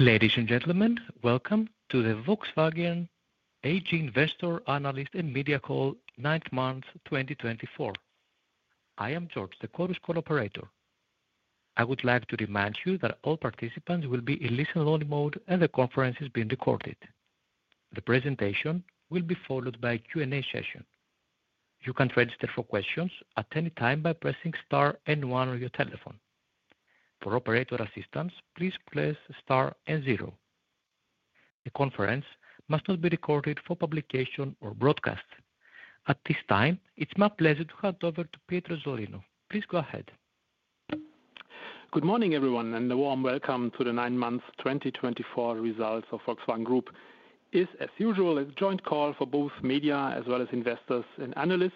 Ladies and gentlemen, welcome to the Volkswagen AG Investor Analyst and Media Call, 9-Month, 2024. I am George, the call's operator. I would like to remind you that all participants will be in listen-only mode, and the conference is being recorded. The presentation will be followed by a Q&A session. You can register for questions at any time by pressing star and one on your telephone. For operator assistance, please press star and zero The conference must not be recorded for publication or broadcast. At this time, it's my pleasure to hand over to Pietro Zollino. Please go ahead. Good morning, everyone, and a warm welcome to the 9-Month, 2024 results of Volkswagen Group. It's, as usual, a joint call for both media as well as investors and analysts,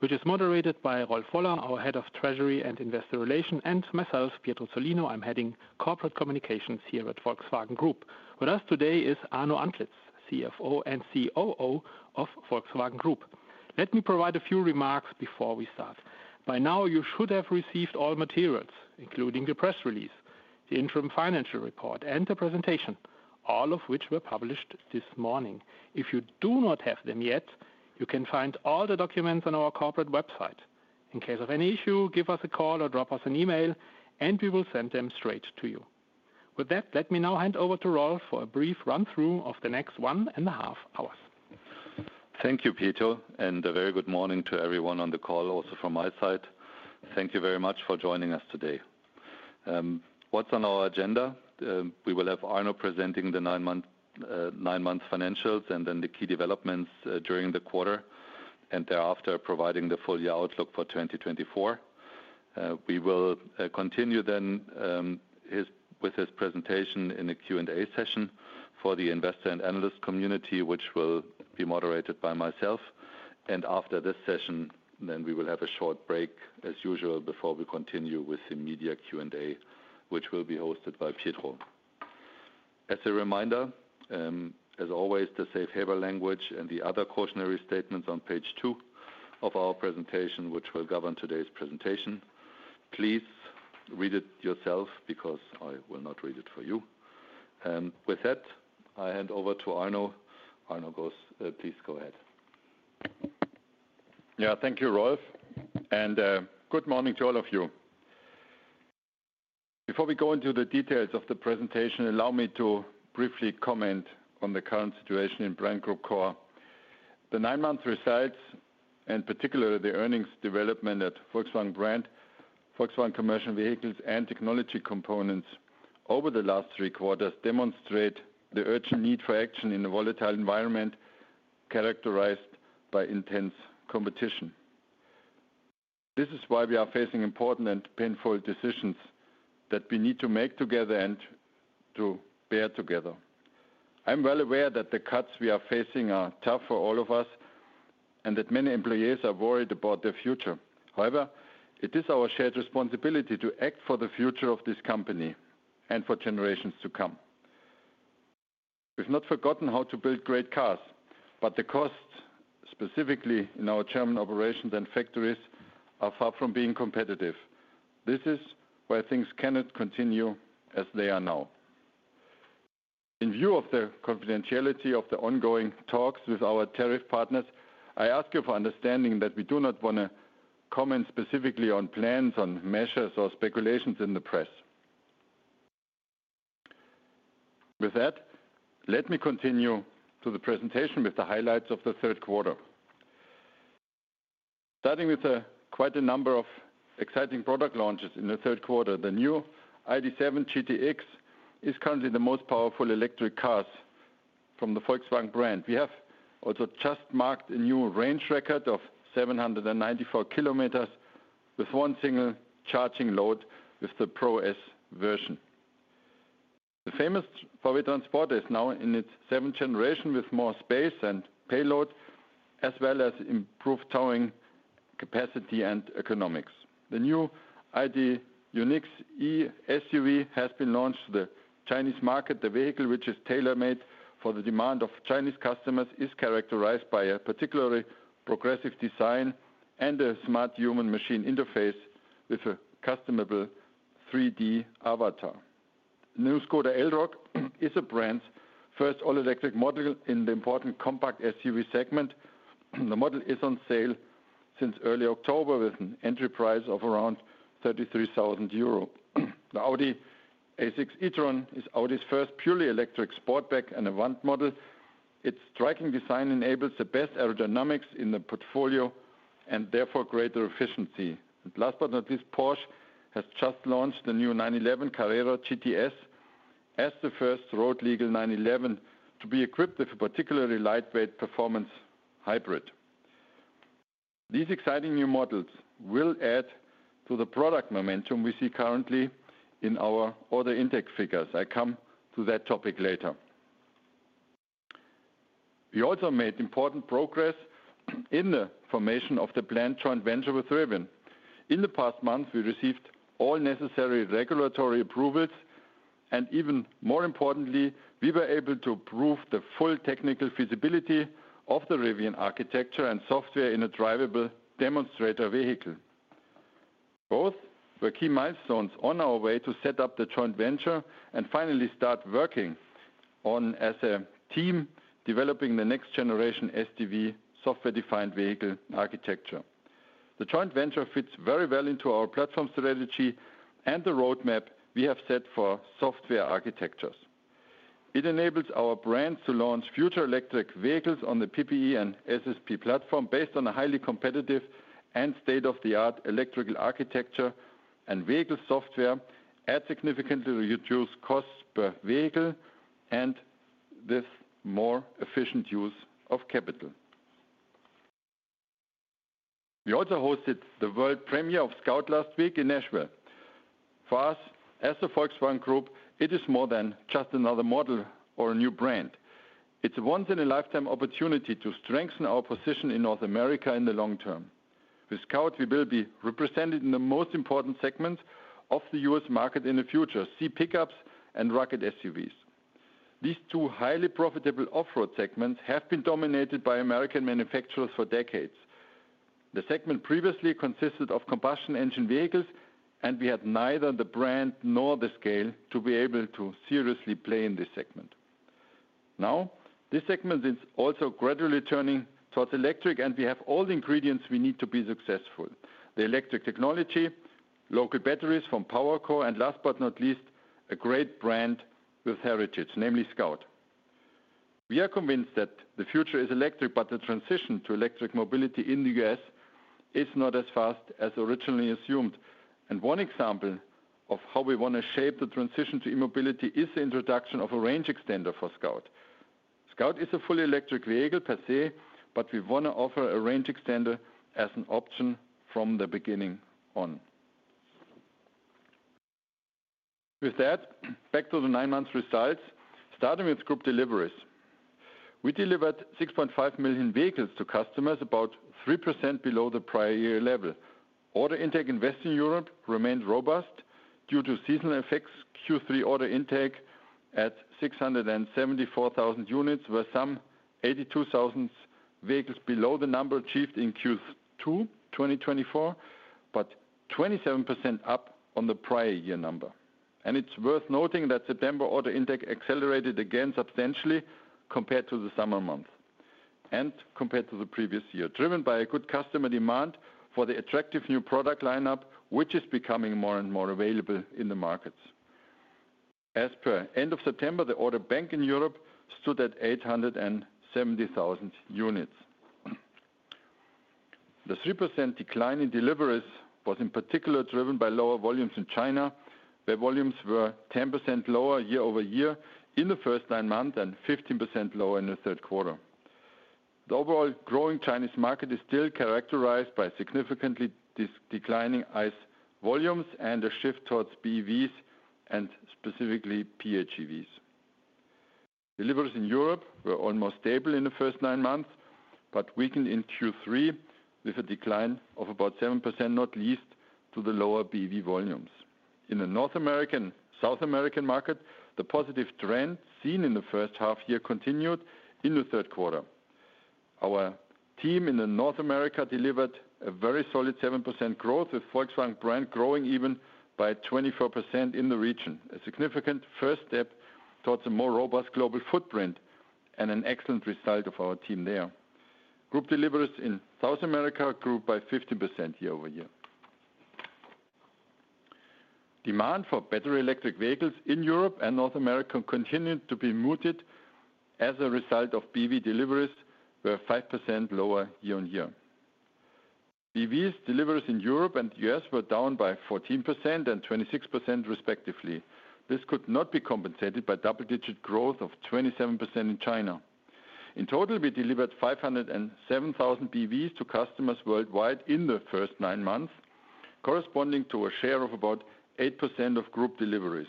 which is moderated by Rolf Woller, our Head of Treasury and Investor Relations, and myself, Pietro Zollino. I'm heading corporate communications here at Volkswagen Group. With us today is Arno Antlitz, CFO and COO of Volkswagen Group. Let me provide a few remarks before we start. By now, you should have received all materials, including the press release, the interim financial report, and the presentation, all of which were published this morning. If you do not have them yet, you can find all the documents on our corporate website. In case of any issue, give us a call or drop us an email, and we will send them straight to you. With that, let me now hand over to Rolf for a brief run-through of the next one and a half hours. Thank you, Pietro, and a very good morning to everyone on the call, also from my side. Thank you very much for joining us today. What's on our agenda? We will have Arno presenting the 9-month financials and then the key developments during the quarter and thereafter providing the full outlook for 2024. We will continue then with his presentation in the Q&A session for the investor and analyst community, which will be moderated by myself, and after this session, then we will have a short break, as usual, before we continue with the media Q&A, which will be hosted by Pietro. As a reminder, as always, the safe harbor language and the other cautionary statements on page 2 of our presentation, which will govern today's presentation. Please read it yourself because I will not read it for you. With that, I hand over to Arno. Arno, please go ahead. Yeah, thank you, Rolf. And good morning to all of you. Before we go into the details of the presentation, allow me to briefly comment on the current situation in Brand Group Core. The nine-month results, and particularly the earnings development at Volkswagen Brand, Volkswagen Commercial Vehicles and Tech Components over the last three quarters, demonstrate the urgent need for action in a volatile environment characterized by intense competition. This is why we are facing important and painful decisions that we need to make together and to bear together. I'm well aware that the cuts we are facing are tough for all of us and that many employees are worried about their future. However, it is our shared responsibility to act for the future of this company and for generations to come. We've not forgotten how to build great cars, but the costs, specifically in our German operations and factories, are far from being competitive. This is where things cannot continue as they are now. In view of the confidentiality of the ongoing talks with our tariff partners, I ask you for understanding that we do not want to comment specifically on plans, on measures, or speculations in the press. With that, let me continue to the presentation with the highlights of the third quarter. Starting with quite a number of exciting product launches in the third quarter, the new ID.7 GTX is currently the most powerful electric car from the Volkswagen Brand. We have also just marked a new range record of 794 km with one single charging load with the Pro S version. The famous VW Transporter is now in its seventh generation with more space and payload, as well as improved towing capacity and economics. The new ID.UNYX has been launched to the Chinese market. The vehicle, which is tailor-made for the demand of Chinese customers, is characterized by a particularly progressive design and a smart human-machine interface with a customizable 3D avatar. The new Škoda Elroq is a brand's first all-electric model in the important compact SUV segment. The model is on sale since early October with an entry price of around 33,000 euro. The Audi A6 e-tron is Audi's first purely electric Sportback and Avant model. Its striking design enables the best aerodynamics in the portfolio and therefore greater efficiency. Last but not least, Porsche has just launched the new 911 Carrera GTS as the first road-legal 911 to be equipped with a particularly lightweight performance hybrid. These exciting new models will add to the product momentum we see currently in our order intake figures. I'll come to that topic later. We also made important progress in the formation of the planned joint venture with Rivian. In the past month, we received all necessary regulatory approvals, and even more importantly, we were able to prove the full technical feasibility of the Rivian architecture and software in a drivable demonstrator vehicle. Both were key milestones on our way to set up the joint venture and finally start working on, as a team, developing the next-generation SDV, software-defined vehicle architecture. The joint venture fits very well into our platform strategy and the roadmap we have set for software architectures. It enables our brands to launch future electric vehicles on the PPE and SSP platform based on a highly competitive and state-of-the-art electrical architecture and vehicle software, adds significantly reduced costs per vehicle, and this more efficient use of capital. We also hosted the world premiere of Scout last week in Nashville. For us, as the Volkswagen Group, it is more than just another model or a new brand. It's a once-in-a-lifetime opportunity to strengthen our position in North America in the long term. With Scout, we will be represented in the most important segments of the US market in the future: E-pickups and rugged SUVs. These two highly profitable off-road segments have been dominated by American manufacturers for decades. The segment previously consisted of combustion engine vehicles, and we had neither the brand nor the scale to be able to seriously play in this segment. Now, this segment is also gradually turning towards electric, and we have all the ingredients we need to be successful: the electric technology, local batteries from PowerCo, and last but not least, a great brand with heritage, namely Scout. We are convinced that the future is electric, but the transition to electric mobility in the US is not as fast as originally assumed, and one example of how we want to shape the transition to e-mobility is the introduction of a range extender for Scout. Scout is a fully electric vehicle per se, but we want to offer a range extender as an option from the beginning on. With that, back to the 9-month results, starting with group deliveries. We delivered 6.5 million vehicles to customers, about 3% below the prior year level. Order intake in Western Europe remained robust due to seasonal effects. Q3 order intake at 674,000 units, with some 82,000 vehicles below the number achieved in Q2 2024, but 27% up on the prior year number, and it's worth noting that September order intake accelerated again substantially compared to the summer month and compared to the previous year, driven by a good customer demand for the attractive new product lineup, which is becoming more and more available in the markets. As of the end of September, the order bank in Europe stood at 870,000 units. The 3% decline in deliveries was in particular driven by lower volumes in China, where volumes were 10% lower year over year in the first nine months and 15% lower in the third quarter. The overall growing Chinese market is still characterized by significantly declining ICE volumes and a shift towards BEVs and specifically PHEVs. Deliveries in Europe were almost stable in the first nine months, but weakened in Q3 with a decline of about 7%, not least due to the lower BEV volumes. In the North American and South American market, the positive trend seen in the first half year continued in the third quarter. Our team in North America delivered a very solid 7% growth, with Volkswagen Brand growing even by 24% in the region, a significant first step towards a more robust global footprint and an excellent result of our team there. Group deliveries in South America grew by 15% year over year. Demand for battery electric vehicles in Europe and North America continued to be muted as a result of BEV deliveries, were 5% lower year on year. BEVs delivered in Europe and the U.S. were down by 14% and 26%, respectively. This could not be compensated by double-digit growth of 27% in China. In total, we delivered 507,000 BEVs to customers worldwide in the first nine months, corresponding to a share of about 8% of group deliveries.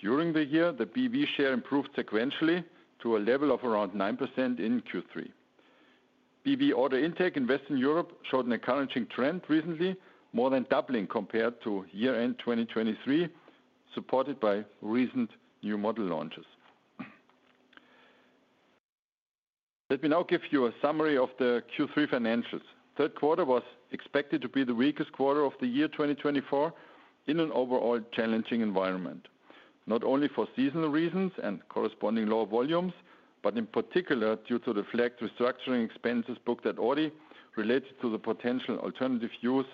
During the year, the BEV share improved sequentially to a level of around 9% in Q3. BEV order intake in Western Europe showed an encouraging trend recently, more than doubling compared to year-end 2023, supported by recent new model launches. Let me now give you a summary of the Q3 financials. The third quarter was expected to be the weakest quarter of the year 2024 in an overall challenging environment, not only for seasonal reasons and corresponding low volumes, but in particular due to the flagged restructuring expenses booked at Audi related to the potential alternative use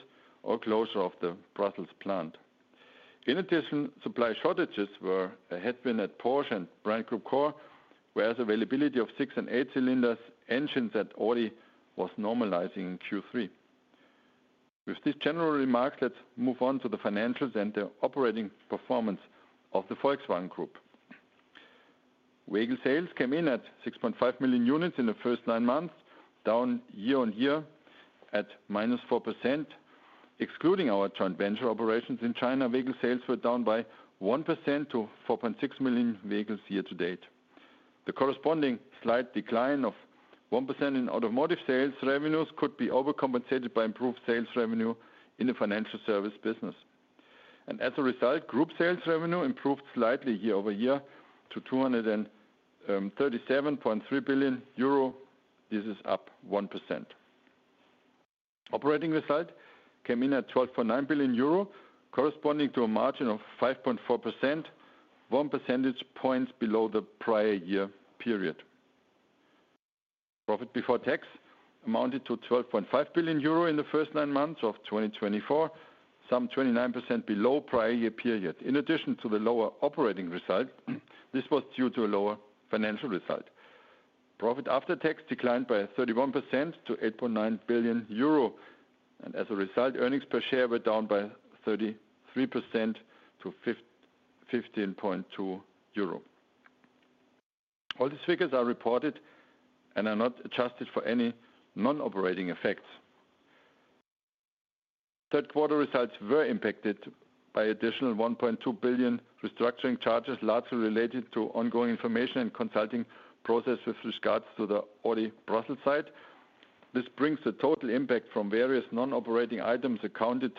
or closure of the Brussels plant. In addition, supply shortages had been at Porsche and Brand Group Core, whereas availability of six and eight-cylinder engines at Audi was normalizing in Q3. With these general remarks, let's move on to the financials and the operating performance of the Volkswagen Group. Vehicle sales came in at 6.5 million units in the first nine months, down year on year at minus 4%. Excluding our joint venture operations in China, vehicle sales were down by 1% to 4.6 million vehicles year to date. The corresponding slight decline of 1% in automotive sales revenues could be overcompensated by improved sales revenue in the financial service business. As a result, group sales revenue improved slightly year over year to 237.3 billion euro. This is up 1%. Operating result came in at 12.9 billion euro, corresponding to a margin of 5.4%, one percentage point below the prior year period. Profit before tax amounted to 12.5 billion euro in the first nine months of 2024, some 29% below prior year period. In addition to the lower operating result, this was due to a lower financial result. Profit after tax declined by 31% to 8.9 billion euro. And as a result, earnings per share were down by 33% to 15.2 euro. All these figures are reported and are not adjusted for any non-operating effects. Third quarter results were impacted by additional 1.2 billion restructuring charges, largely related to ongoing information and consulting process with regards to the Audi Brussels site. This brings the total impact from various non-operating items accounted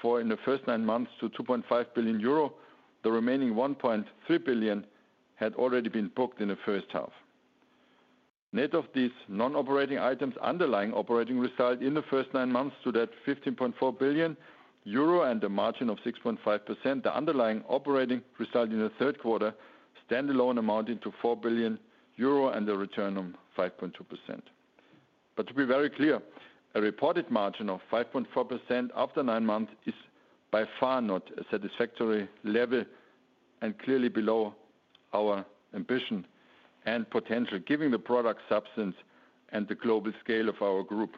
for in the first nine months to 2.5 billion euro. The remaining 1.3 billion had already been booked in the first half. Net of these non-operating items, underlying operating result in the first nine months to that 15.4 billion euro and a margin of 6.5%. The underlying operating result in the third quarter standalone amounted to 4 billion euro and a return of 5.2%. But to be very clear, a reported margin of 5.4% after nine months is by far not a satisfactory level and clearly below our ambition and potential, given the product substance and the global scale of our group.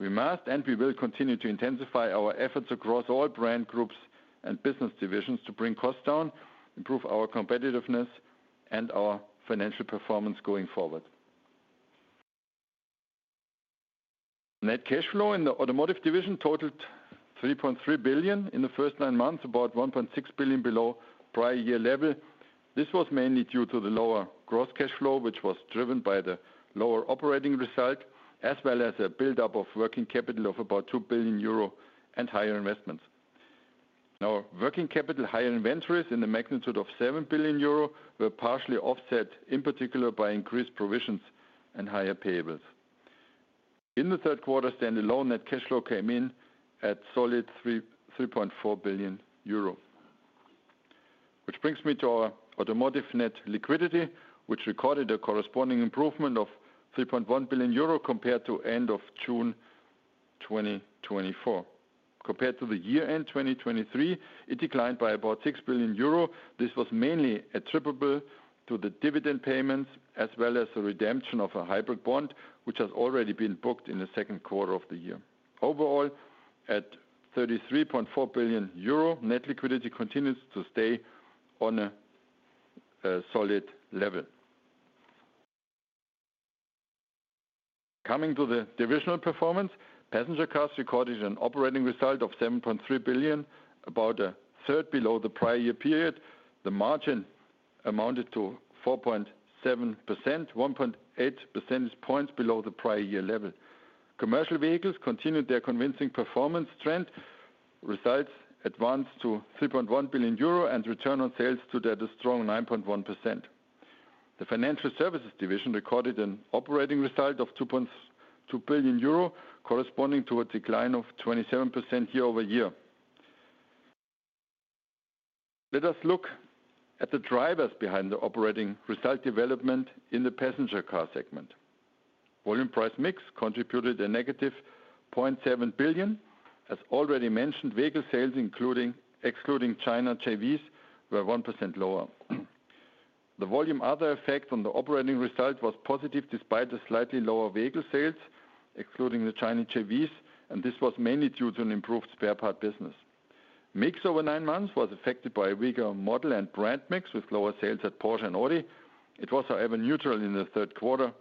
We must and we will continue to intensify our efforts across all brand groups and business divisions to bring costs down, improve our competitiveness, and our financial performance going forward. Net cash flow in the automotive division totaled 3.3 billion in the first nine months, about 1.6 billion below prior year level. This was mainly due to the lower gross cash flow, which was driven by the lower operating result, as well as a build-up of working capital of about 2 billion euro and higher investments. Now, working capital, higher inventories in the magnitude of 7 billion euro, were partially offset, in particular by increased provisions and higher payables. In the third quarter, standalone net cash flow came in at solid 3.4 billion euro, which brings me to our automotive net liquidity, which recorded a corresponding improvement of 3.1 billion euro compared to end of June 2024. Compared to the year-end 2023, it declined by about 6 billion euro. This was mainly attributable to the dividend payments as well as the redemption of a hybrid bond, which has already been booked in the second quarter of the year. Overall, at 33.4 billion euro, net liquidity continues to stay on a solid level. Coming to the divisional performance, passenger cars recorded an operating result of 7.3 billion, about a third below the prior year period. The margin amounted to 4.7%, 1.8 percentage points below the prior year level. Commercial vehicles continued their convincing performance trend. Results advanced to 3.1 billion euro and returned on sales to that strong 9.1%. The financial services division recorded an operating result of 2.2 billion euro, corresponding to a decline of 27% year over year. Let us look at the drivers behind the operating result development in the passenger car segment. Volume price mix contributed a negative 0.7 billion. As already mentioned, vehicle sales, excluding China JVs, were 1% lower. The volume other effect on the operating result was positive despite the slightly lower vehicle sales, excluding the Chinese JVs, and this was mainly due to an improved spare part business. Mix over nine months was affected by a weaker model and brand mix with lower sales at Porsche and Audi. It was, however, neutral in the third quarter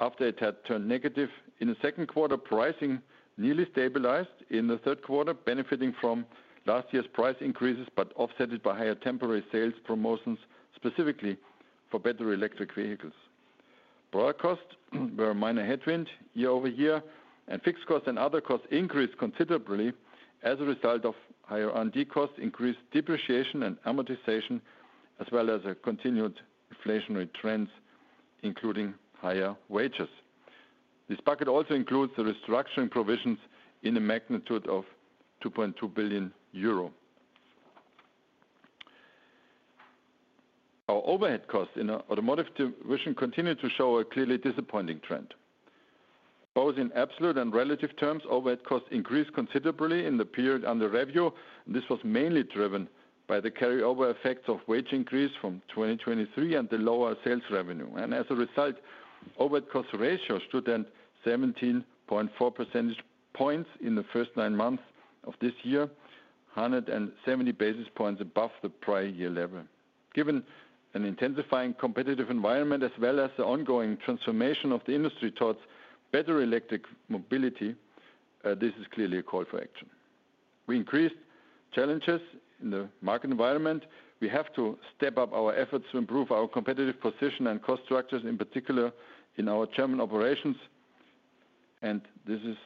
after it had turned negative. In the second quarter, pricing nearly stabilized in the third quarter, benefiting from last year's price increases, but offset it by higher temporary sales promotions, specifically for BEV electric vehicles. Broader costs were a minor headwind year over year, and fixed costs and other costs increased considerably as a result of higher R&D costs, increased depreciation, and amortization, as well as continued inflationary trends, including higher wages. This bucket also includes the restructuring provisions in a magnitude of 2.2 billion euro. Our overhead costs in automotive division continue to show a clearly disappointing trend. Both in absolute and relative terms, overhead costs increased considerably in the period under review. This was mainly driven by the carryover effects of wage increase from 2023 and the lower sales revenue. As a result, overhead cost ratio stood at 17.4 percentage points in the first nine months of this year, 170 basis points above the prior year level. Given an intensifying competitive environment, as well as the ongoing transformation of the industry towards electromobility, this is clearly a call for action. We face increased challenges in the market environment. We have to step up our efforts to improve our competitive position and cost structures, in particular in our German operations. This is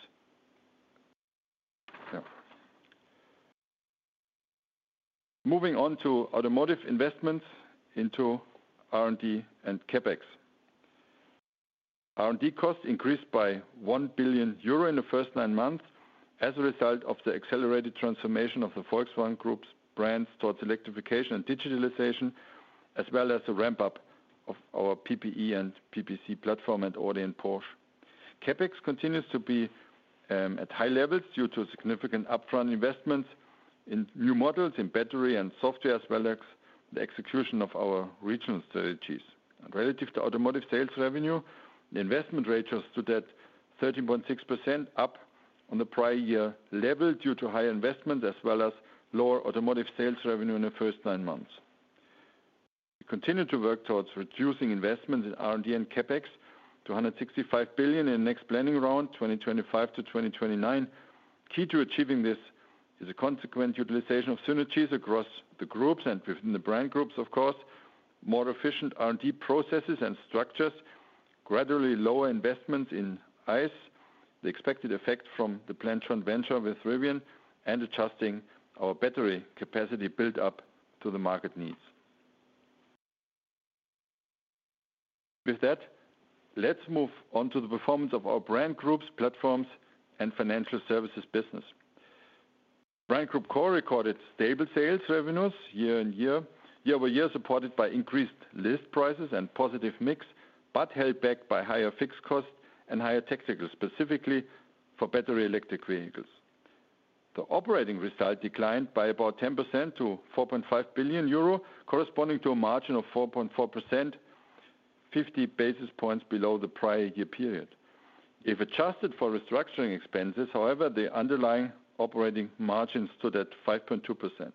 moving on to automotive investments into R&D and CapEx. R&D costs increased by 1 billion euro in the first nine months as a result of the accelerated transformation of the Volkswagen Group's brand towards electrification and digitalization, as well as the ramp-up of our PPE and PPC platform at Audi and Porsche. CapEx continues to be at high levels due to significant upfront investments in new models in battery and software, as well as the execution of our regional strategies. Relative to automotive sales revenue, the investment ratio stood at 13.6%, up on the prior year level due to higher investments, as well as lower automotive sales revenue in the first nine months. We continue to work towards reducing investments in R&D and CapEx to 165 billion in the next planning round, 2025 to 2029. Key to achieving this is a consequent utilization of synergies across the groups and within the brand groups, of course, more efficient R&D processes and structures, gradually lower investments in ICE, the expected effect from the planned joint venture with Rivian, and adjusting our battery capacity build-up to the market needs. With that, let's move on to the performance of our brand groups, platforms, and financial services business. Brand Group Core recorded stable sales revenues year-on-year, year over year supported by increased list prices and positive mix, but held back by higher fixed costs and higher tacticals, specifically for battery electric vehicles. The operating result declined by about 10% to 4.5 billion euro, corresponding to a margin of 4.4%, 50 basis points below the prior year period. If adjusted for restructuring expenses, however, the underlying operating margin stood at 5.2%.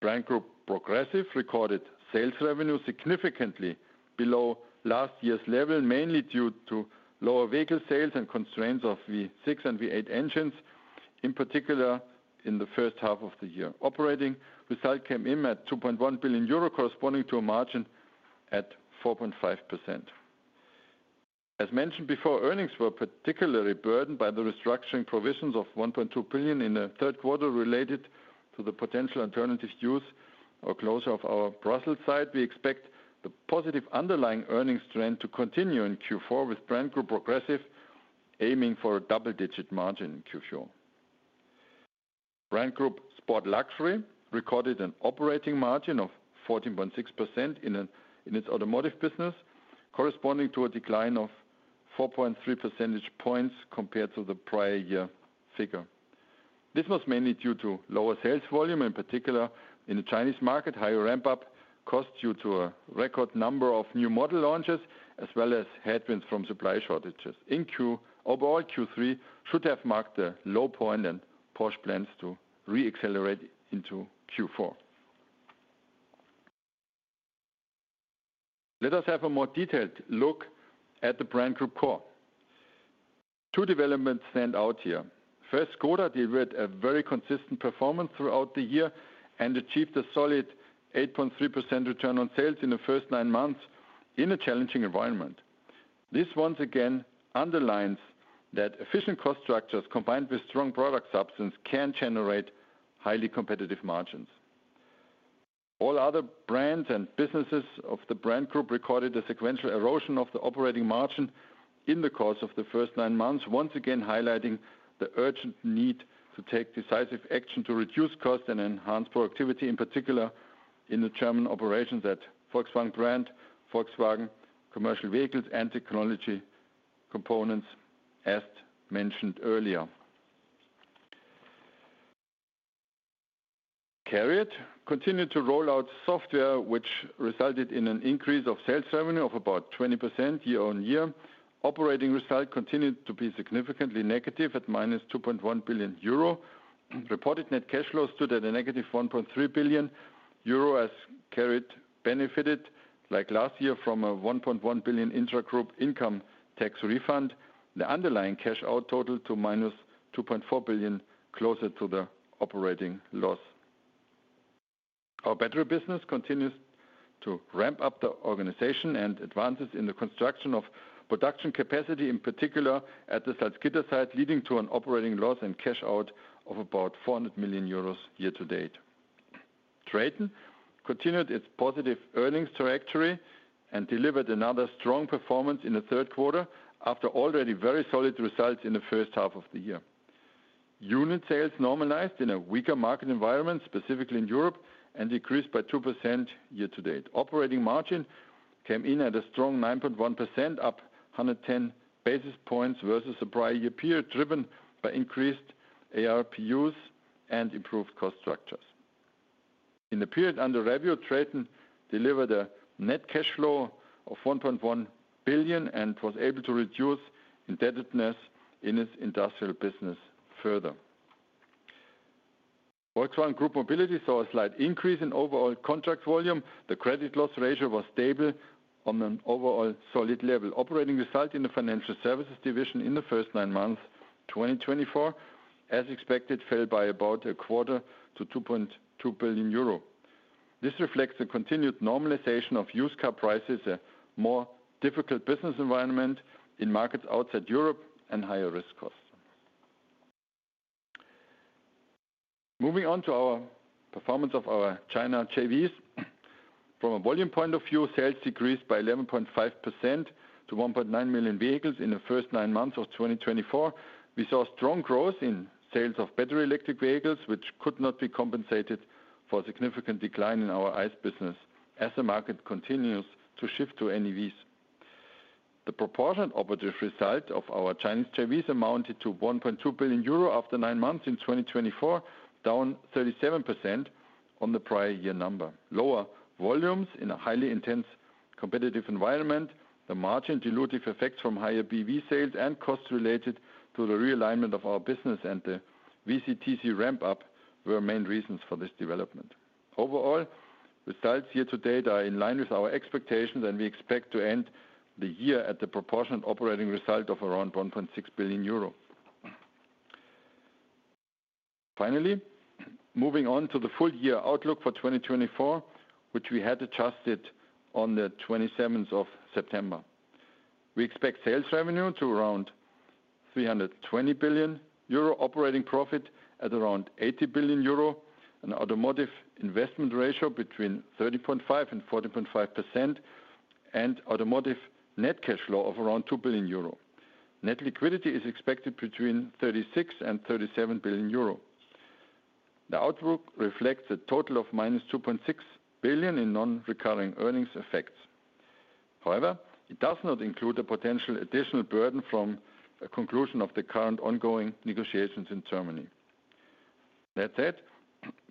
Brand Group Progressive recorded sales revenue significantly below last year's level, mainly due to lower vehicle sales and constraints of V6 and V8 engines, in particular in the first half of the year. Operating result came in at 2.1 billion euro, corresponding to a margin at 4.5%. As mentioned before, earnings were particularly burdened by the restructuring provisions of 1.2 billion in the third quarter, related to the potential alternative use or closure of our Brussels site. We expect the positive underlying earnings trend to continue in Q4, with Brand Group Progressive aiming for a double-digit margin in Q4. Brand Group Sport Luxury recorded an operating margin of 14.6% in its automotive business, corresponding to a decline of 4.3 percentage points compared to the prior year figure. This was mainly due to lower sales volume, in particular in the Chinese market, higher ramp-up costs due to a record number of new model launches, as well as headwinds from supply shortages. In Q3, overall, Q3 should have marked a low point and Porsche plans to re-accelerate into Q4. Let us have a more detailed look at the Brand Group Core. Two developments stand out here. First, Škoda delivered a very consistent performance throughout the year and achieved a solid 8.3% return on sales in the first nine months in a challenging environment. This, once again, underlines that efficient cost structures combined with strong product substance can generate highly competitive margins. All other brands and businesses of the Brand Group recorded a sequential erosion of the operating margin in the course of the first nine months, once again highlighting the urgent need to take decisive action to reduce costs and enhance productivity, in particular in the German operations at Volkswagen Brand, Volkswagen Commercial Vehicles and Tech Components, as mentioned earlier. CARIAD continued to roll out software, which resulted in an increase of sales revenue of about 20% year-on-year. Operating result continued to be significantly negative at minus 2.1 billion euro. Reported net cash flow stood at a negative 1.3 billion euro, as CARIAD benefited, like last year, from a 1.1 billion intra-group income tax refund, the underlying cash-out total to minus 2.4 billion, closer to the operating loss. Our battery business continues to ramp up the organization and advances in the construction of production capacity, in particular at the Salzgitter site, leading to an operating loss and cash-out of about 400 million euros year to date. Traton continued its positive earnings trajectory and delivered another strong performance in the third quarter after already very solid results in the first half of the year. Unit sales normalized in a weaker market environment, specifically in Europe, and decreased by 2% year to date. Operating margin came in at a strong 9.1%, up 110 basis points versus the prior year period, driven by increased ARPUs and improved cost structures. In the period under review, Traton delivered a net cash flow of 1.1 billion and was able to reduce indebtedness in its industrial business further. Volkswagen Group Mobility saw a slight increase in overall contract volume. The credit loss ratio was stable on an overall solid level. Operating result in the financial services division in the first nine months 2024, as expected, fell by about a quarter to 2.2 billion euro. This reflects the continued normalization of used car prices, a more difficult business environment in markets outside Europe, and higher risk costs. Moving on to our performance of our China JVs. From a volume point of view, sales decreased by 11.5% to 1.9 million vehicles in the first nine months of 2024. We saw strong growth in sales of battery electric vehicles, which could not be compensated for a significant decline in our ICE business as the market continues to shift to NEVs. The proportionate operative result of our Chinese JVs amounted to 1.2 billion euro after nine months in 2024, down 37% on the prior year number. Lower volumes in a highly intense competitive environment, the margin dilutive effects from higher BEV sales and costs related to the realignment of our business and the VCTC ramp-up were main reasons for this development. Overall, results year to date are in line with our expectations, and we expect to end the year at the proportionate operating result of around 1.6 billion euro. Finally, moving on to the full year outlook for 2024, which we had adjusted on the 27th of September. We expect sales revenue to around 320 billion euro, operating profit at around 80 billion euro, an automotive investment ratio between 30.5% and 40.5%, and automotive net cash flow of around 2 billion euro. Net liquidity is expected between 36 billion and 37 billion euro. The outlook reflects a total of minus 2.6 billion in non-recurring earnings effects. However, it does not include a potential additional burden from a conclusion of the current ongoing negotiations in Germany. That said,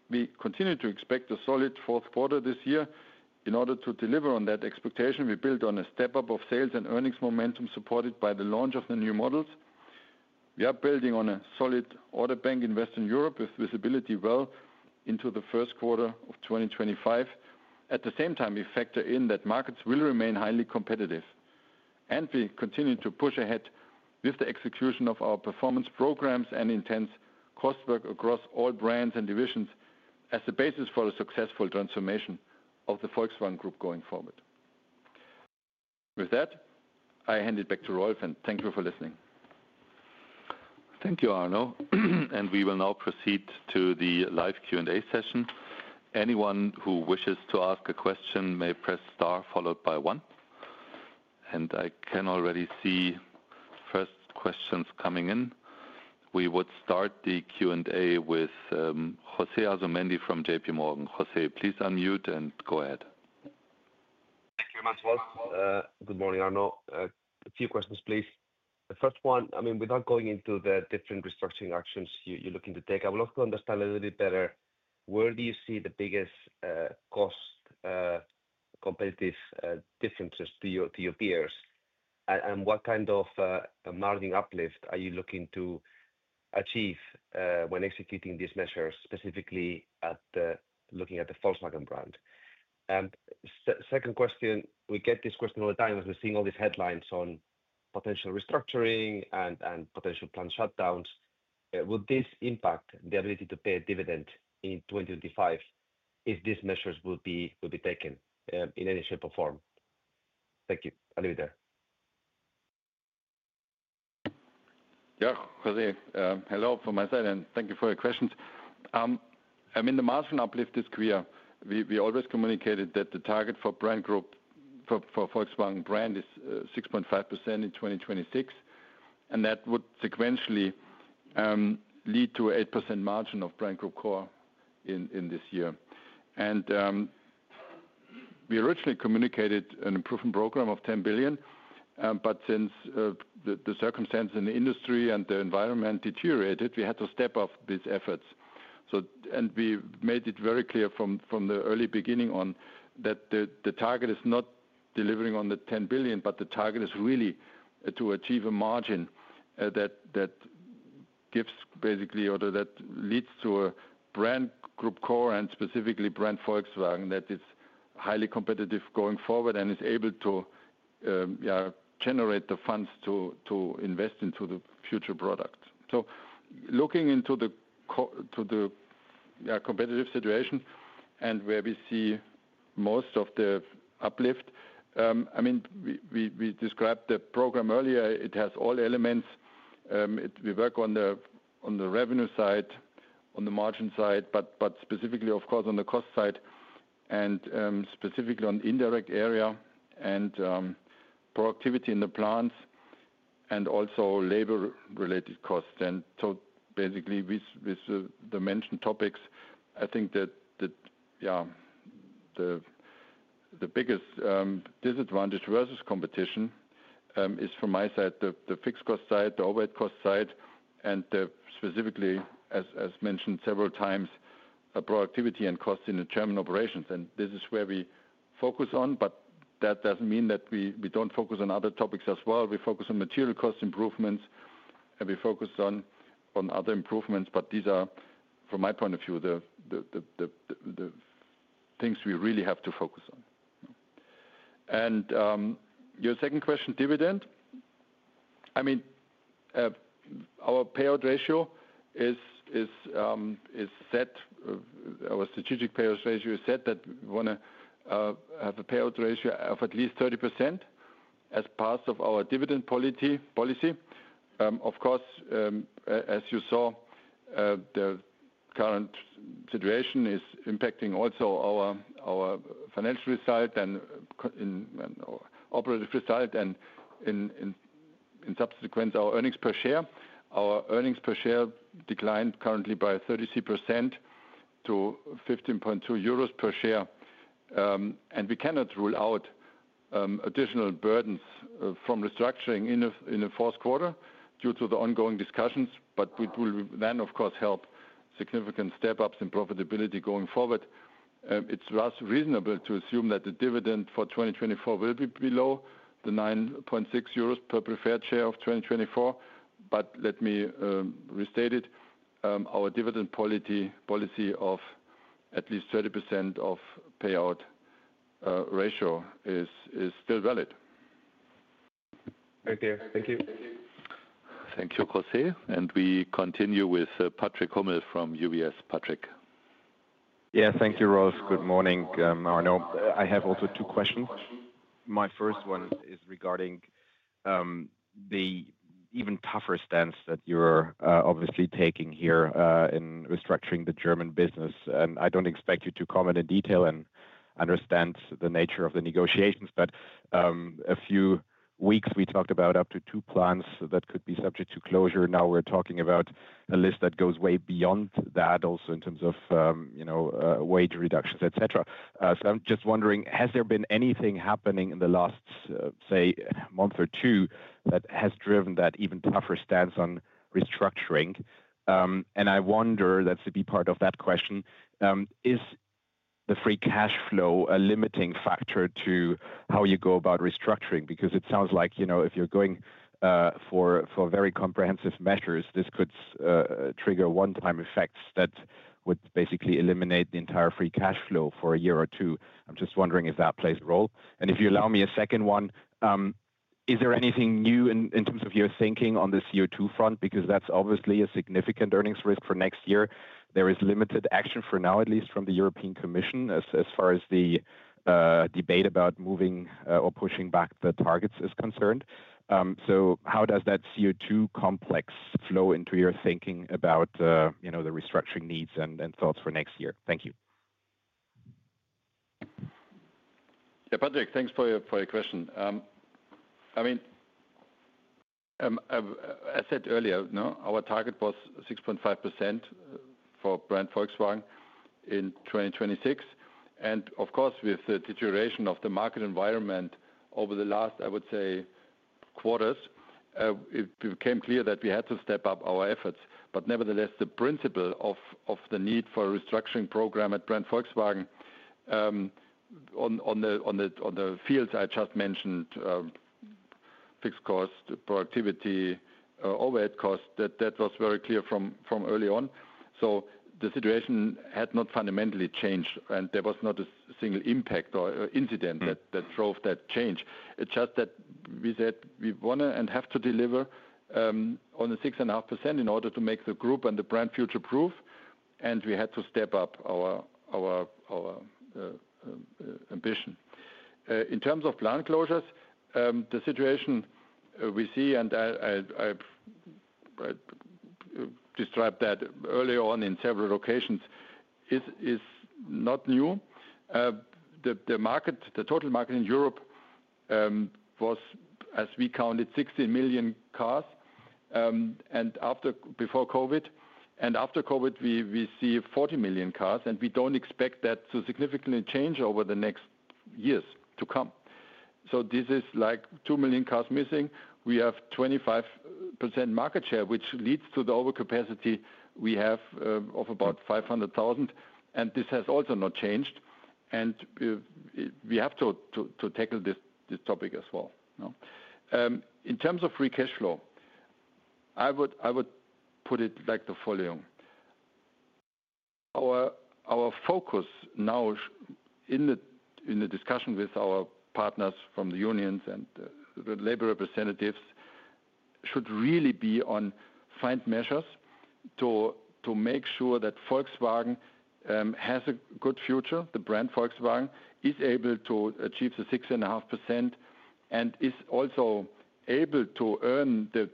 we continue to expect a solid fourth quarter this year. In order to deliver on that expectation, we build on a step-up of sales and earnings momentum supported by the launch of the new models. We are building on a solid order bank in Western Europe with visibility well into the first quarter of 2025. At the same time, we factor in that markets will remain highly competitive, and we continue to push ahead with the execution of our performance programs and intense cost work across all brands and divisions as the basis for a successful transformation of the Volkswagen Group going forward. With that, I hand it back to Rolf, and thank you for listening. Thank you, Arno, and we will now proceed to the live Q&A session. Anyone who wishes to ask a question may press star followed by one. I can already see first questions coming in. We would start the Q&A with José Asumendi from J.P. Morgan. José, please unmute and go ahead. Thank you very much, Rolf. Good morning, Arno. A few questions, please. The first one, I mean, without going into the different restructuring actions you're looking to take, I would love to understand a little bit better where do you see the biggest cost competitive differences to your peers and what kind of margin uplift are you looking to achieve when executing these measures, specifically looking at the Volkswagen Brand? Second question, we get this question all the time as we're seeing all these headlines on potential restructuring and potential planned shutdowns. Would this impact the ability to pay a dividend in 2025 if these measures would be taken in any shape or form? Thank you. I'll leave it there. Yeah, José, hello from my side, and thank you for your questions. I mean, the margin uplift is clear. We always communicated that the target for Volkswagen Brand is 6.5% in 2026, and that would sequentially lead to an 8% margin of Brand Group Core in this year. We originally communicated an improvement program of 10 billion, but since the circumstances in the industry and the environment deteriorated, we had to step up these efforts. We made it very clear from the early beginning on that the target is not delivering on the 10 billion, but the target is really to achieve a margin that gives basically, or that leads to a Brand Group Core and specifically Brand Volkswagen that is highly competitive going forward and is able to generate the funds to invest into the future product. Looking into the competitive situation and where we see most of the uplift, I mean, we described the program earlier. It has all elements. We work on the revenue side, on the margin side, but specifically, of course, on the cost side and specifically on indirect area and productivity in the plants and also labor-related costs. And so basically, with the mentioned topics, I think that the biggest disadvantage versus competition is, from my side, the fixed cost side, the overhead cost side, and specifically, as mentioned several times, productivity and costs in the German operations. And this is where we focus on, but that doesn't mean that we don't focus on other topics as well. We focus on material cost improvements, and we focus on other improvements, but these are, from my point of view, the things we really have to focus on. And your second question, dividend. I mean, our payout ratio is set, our strategic payout ratio is set that we want to have a payout ratio of at least 30% as part of our dividend policy. Of course, as you saw, the current situation is impacting also our financial result and operative result and, in consequence, our earnings per share. Our earnings per share declined currently by 33% to 15.2 euros per share, and we cannot rule out additional burdens from restructuring in the fourth quarter due to the ongoing discussions, but we will then, of course, help significant step-ups in profitability going forward. It's reasonable to assume that the dividend for 2024 will be below the 9.6 euros per preferred share of 2024, but let me restate it. Our dividend policy of at least 30% of payout ratio is still valid. Very clear. Thank you. Thank you, José. And we continue with Patrick Hummel from UBS. Patrick. Yeah, thank you, Rolf. Good morning, Arno. I have also two questions. My first one is regarding the even tougher stance that you're obviously taking here in restructuring the German business. I don't expect you to comment in detail and understand the nature of the negotiations, but a few weeks we talked about up to two plants that could be subject to closure. Now we're talking about a list that goes way beyond that, also in terms of wage reductions, etc. I'm just wondering, has there been anything happening in the last, say, month or two that has driven that even tougher stance on restructuring? I wonder, that's the B part of that question, is the free cash flow a limiting factor to how you go about restructuring? Because it sounds like if you're going for very comprehensive measures, this could trigger one-time effects that would basically eliminate the entire free cash flow for a year or two. I'm just wondering if that plays a role. If you allow me a second one, is there anything new in terms of your thinking on the CO2 front? Because that's obviously a significant earnings risk for next year. There is limited action for now, at least from the European Commission, as far as the debate about moving or pushing back the targets is concerned. So how does that CO2 complex flow into your thinking about the restructuring needs and thoughts for next year? Thank you. Yeah, Patrick, thanks for your question. I mean, as I said earlier, our target was 6.5% for Brand Volkswagen in 2026. And of course, with the deterioration of the market environment over the last, I would say, quarters, it became clear that we had to step up our efforts. But nevertheless, the principle of the need for a restructuring program at Brand Volkswagen on the fields I just mentioned, fixed cost, productivity, overhead cost, that was very clear from early on. So the situation had not fundamentally changed, and there was not a single impact or incident that drove that change. It's just that we said we want to and have to deliver on the 6.5% in order to make the group and the brand future proof, and we had to step up our ambition. In terms of planned closures, the situation we see, and I described that early on in several locations, is not new. The total market in Europe was, as we counted, 16 million cars before COVID. And after COVID, we see 14 million cars, and we don't expect that to significantly change over the next years to come. So this is like two million cars missing. We have 25% market share, which leads to the overcapacity we have of about 500,000, and this has also not changed, and we have to tackle this topic as well. In terms of free cash flow, I would put it like the following. Our focus now in the discussion with our partners from the unions and the labor representatives should really be on finding measures to make sure that Volkswagen has a good future, the brand Volkswagen is able to achieve the 6.5% and is also able to earn the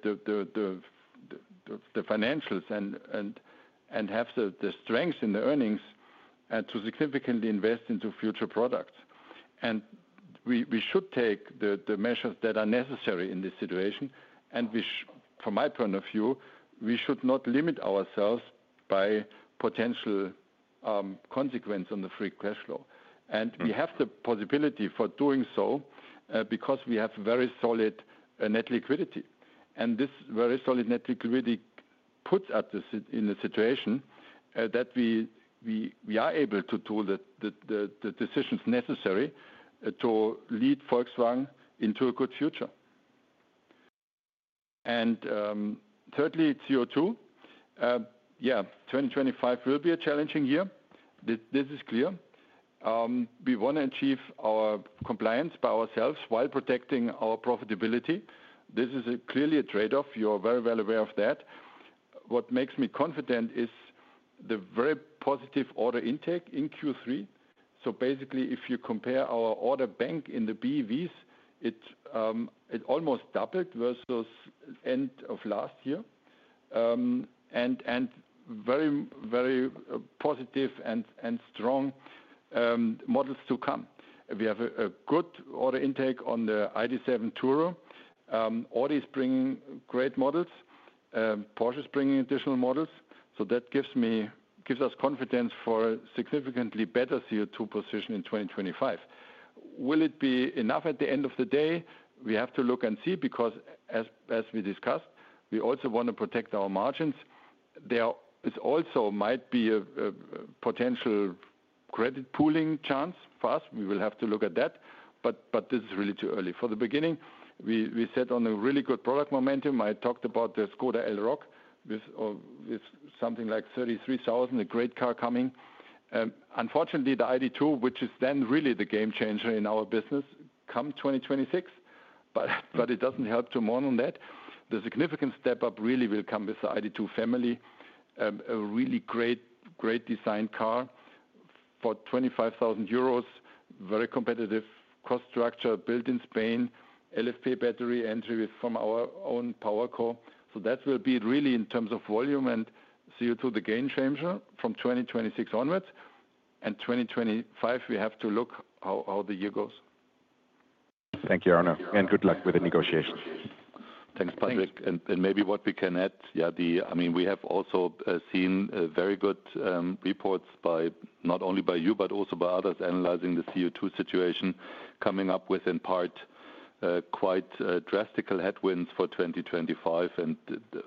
financials and have the strength in the earnings to significantly invest into future products, and we should take the measures that are necessary in this situation, and from my point of view, we should not limit ourselves by potential consequence on the free cash flow. And we have the possibility for doing so because we have very solid net liquidity. And this very solid net liquidity puts us in a situation that we are able to take the decisions necessary to lead Volkswagen into a good future. And thirdly, CO2, yeah, 2025 will be a challenging year. This is clear. We want to achieve our compliance by ourselves while protecting our profitability. This is clearly a trade-off. You're very, very aware of that. What makes me confident is the very positive order intake in Q3. So basically, if you compare our order bank in the BEVs, it almost doubled versus the end of last year. And very, very positive and strong models to come. We have a good order intake on the ID.7 Tourer. Audi is bringing great models. Porsche is bringing additional models. So that gives us confidence for a significantly better CO2 position in 2025. Will it be enough at the end of the day? We have to look and see because, as we discussed, we also want to protect our margins. There also might be a potential credit pooling chance for us. We will have to look at that, but this is really too early. For the beginning, we set on a really good product momentum. I talked about the Škoda Elroq with something like 33,000, a great car coming. Unfortunately, the ID.2, which is then really the game changer in our business, comes 2026, but it doesn't help to mourn on that. The significant step-up really will come with the ID.2 family, a really great design car for 25,000 euros, very competitive cost structure, built in Spain, LFP battery entry from our own PowerCo. So that will be really in terms of volume and CO2, the game changer from 2026 onwards. And 2025, we have to look how the year goes. Thank you, Arno, and good luck with the negotiations. Thanks, Patrick. And maybe what we can add, yeah, I mean, we have also seen very good reports not only by you, but also by others analyzing the CO2 situation, coming up with, in part, quite drastic headwinds for 2025. And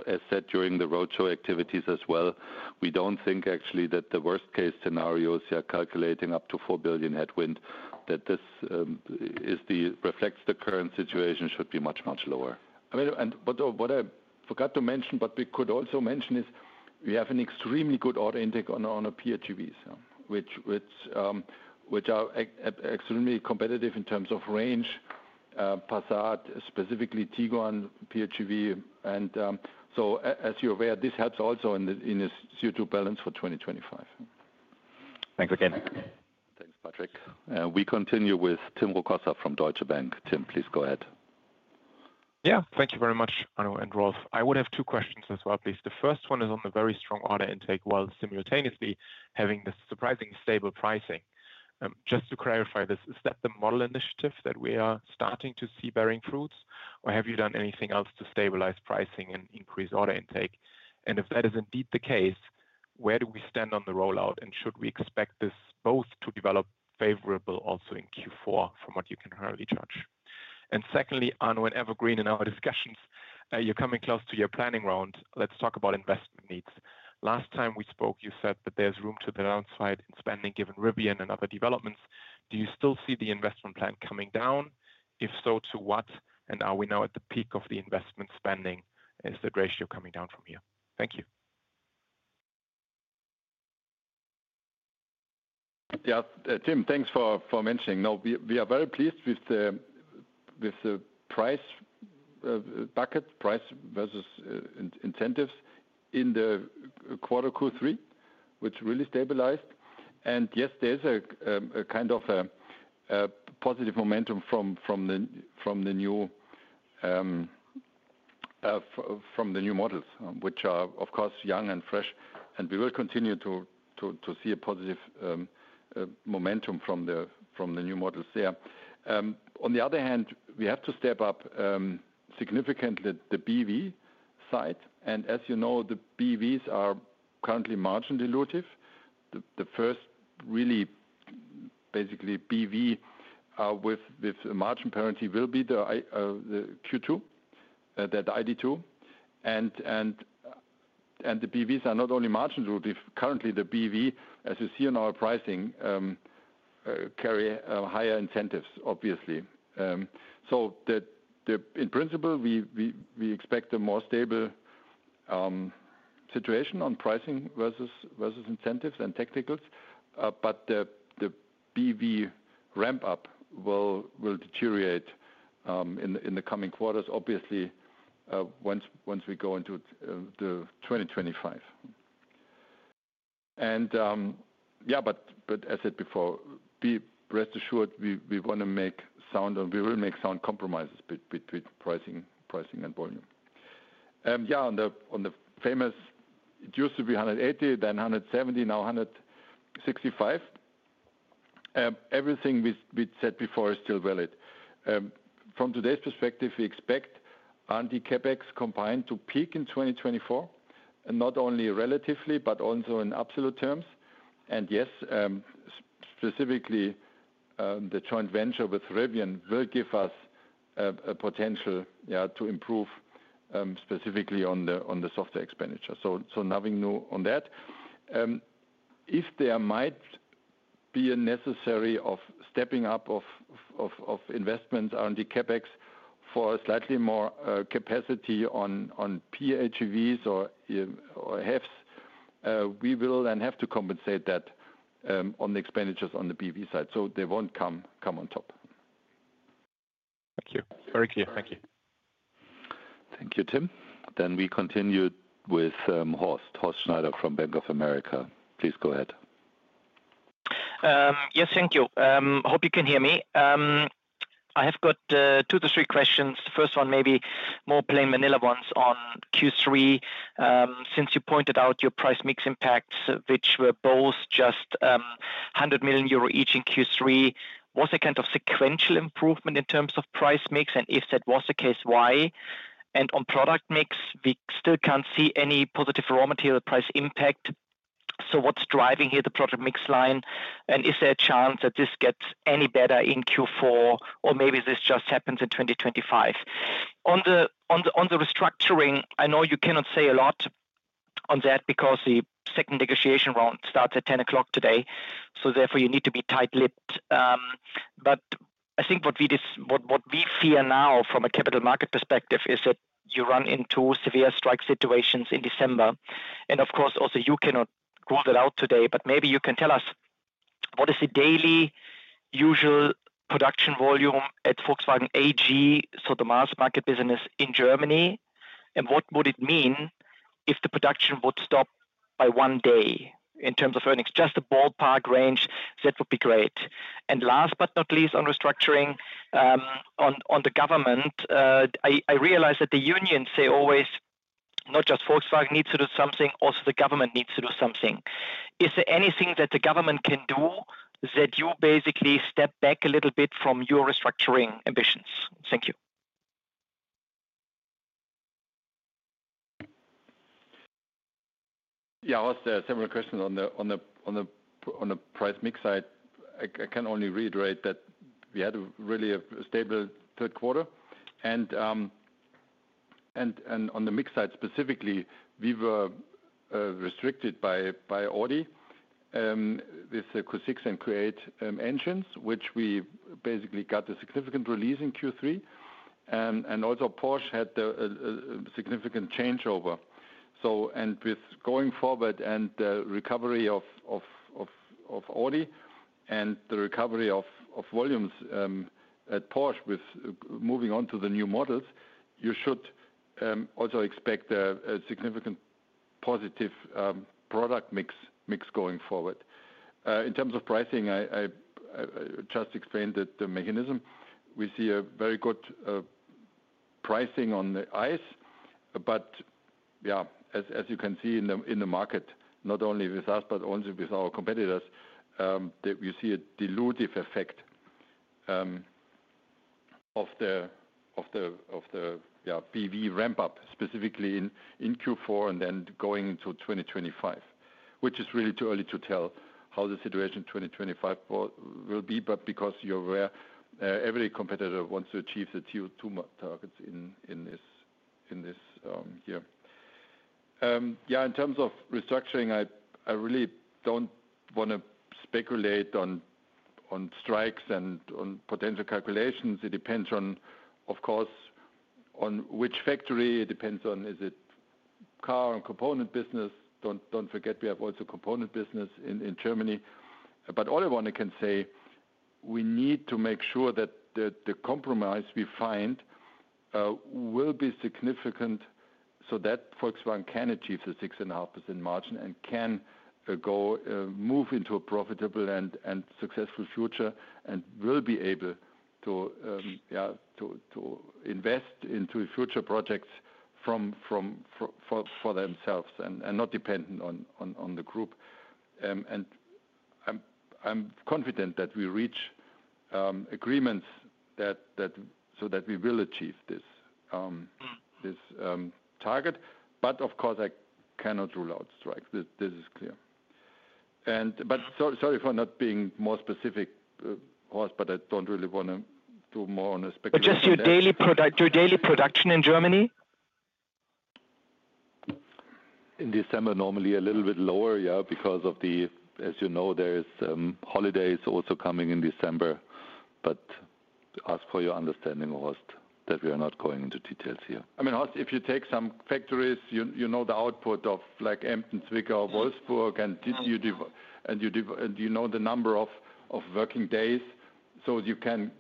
as said during the roadshow activities as well, we don't think actually that the worst-case scenarios, yeah, calculating up to 4 billion headwind, that this reflects the current situation should be much, much lower. I mean, and what I forgot to mention, but we could also mention is we have an extremely good order intake on our PHEVs, which are extremely competitive in terms of range, Passat, specifically Tiguan, PHEV. And so, as you're aware, this helps also in the CO2 balance for 2025. Thanks again. Thanks, Patrick. We continue with Tim Rokossa from Deutsche Bank. Tim, please go ahead. Yeah, thank you very much, Arno and Rolf. I would have two questions as well, please. The first one is on the very strong order intake while simultaneously having this surprisingly stable pricing. Just to clarify this, is that the model initiative that we are starting to see bearing fruits, or have you done anything else to stabilize pricing and increase order intake? And if that is indeed the case, where do we stand on the rollout, and should we expect this both to develop favorably also in Q4 from what you can currently judge? And secondly, Arno and everyone, in our discussions, you're coming close to your planning round. Let's talk about investment needs. Last time we spoke, you said that there's room to the downside in spending given Rivian and other developments. Do you still see the investment plan coming down? If so, to what, and are we now at the peak of the investment spending? Is that ratio coming down from here? Thank you. Yeah, Tim, thanks for mentioning. No, we are very pleased with the price bucket, price versus incentives in the quarter Q3, which really stabilized, and yes, there's a kind of a positive momentum from the new models, which are, of course, young and fresh, and we will continue to see a positive momentum from the new models there. On the other hand, we have to step up significantly the BEV side, and as you know, the BEVs are currently margin-dilutive. The first really, basically, BEV with margin parity will be the ID.2, that ID.2. The BEVs are not only margin-dilutive. Currently, the BEV, as you see in our pricing, carry higher incentives, obviously. So in principle, we expect a more stable situation on pricing versus incentives and technicals. But the BEV ramp-up will deteriorate in the coming quarters, obviously, once we go into 2025. Yeah, but as I said before, be rest assured, we want to make sound, and we will make sound compromises between pricing and volume. Yeah, on the famous, it used to be 180, then 170, now 165. Everything we said before is still valid. From today's perspective, we expect R&D and CapEx combined to peak in 2024, not only relatively, but also in absolute terms. Yes, specifically, the joint venture with Rivian will give us a potential to improve specifically on the software expenditure. So nothing new on that. If there might be a necessity of stepping up of investments, Arno and CapEx for slightly more capacity on PHEVs or HEVs, we will then have to compensate that on the expenditures on the BEV side. So they won't come on top. Thank you. Very clear. Thank you. Thank you, Tim. Then we continue with Horst, Horst Schneider from Bank of America. Please go ahead. Yes, thank you. Hope you can hear me. I have got two to three questions. The first one, maybe more plain vanilla ones on Q3. Since you pointed out your price mix impacts, which were both just 100 million euro each in Q3, was there kind of sequential improvement in terms of price mix? And if that was the case, why? And on product mix, we still can't see any positive raw material price impact. So what's driving here the product mix line? Is there a chance that this gets any better in Q4, or maybe this just happens in 2025? On the restructuring, I know you cannot say a lot on that because the second negotiation round starts at 10:00 A.M. today. Therefore, you need to be tight-lipped. I think what we fear now from a capital market perspective is that you run into severe strike situations in December. Of course, also you cannot rule that out today, but maybe you can tell us what is the daily usual production volume at Volkswagen AG, so the mass market business in Germany? What would it mean if the production would stop by one day in terms of earnings? Just a ballpark range, that would be great. And last but not least on restructuring, on the government, I realize that the unions say always, "Not just Volkswagen needs to do something, also the government needs to do something." Is there anything that the government can do that you basically step back a little bit from your restructuring ambitions? Thank you. Yeah, there was a similar question on the price mix side. I can only reiterate that we had really a stable third quarter. And on the mix side specifically, we were restricted by Audi with the Q6 e-tron and Q8 e-tron, which we basically got a significant release in Q3. And also Porsche had a significant changeover. And with going forward and the recovery of Audi and the recovery of volumes at Porsche with moving on to the new models, you should also expect a significant positive product mix going forward. In terms of pricing, I just explained the mechanism. We see a very good pricing on the ICE. But yeah, as you can see in the market, not only with us, but also with our competitors, you see a dilutive effect of the BEV ramp-up specifically in Q4 and then going into 2025, which is really too early to tell how the situation in 2025 will be. But because you're aware, every competitor wants to achieve the CO2 targets in this year. Yeah, in terms of restructuring, I really don't want to speculate on strikes and on potential calculations. It depends on, of course, on which factory. It depends on, is it car and component business? Don't forget, we have also component business in Germany. But all I want to say, we need to make sure that the compromise we find will be significant so that Volkswagen can achieve the 6.5% margin and can move into a profitable and successful future and will be able to invest into future projects for themselves and not dependent on the group. And I'm confident that we reach agreements so that we will achieve this target. But of course, I cannot rule out strikes. This is clear. But sorry for not being more specific, Horst, but I don't really want to do more on the speculation. But just your daily production in Germany? In December, normally a little bit lower, yeah, because of the, as you know, there are holidays also coming in December. But ask for your understanding, Horst, that we are not going into details here. I mean, Horst, if you take some factories, you know the output of like Emden, Zwickau, Wolfsburg, and you know the number of working days, so you can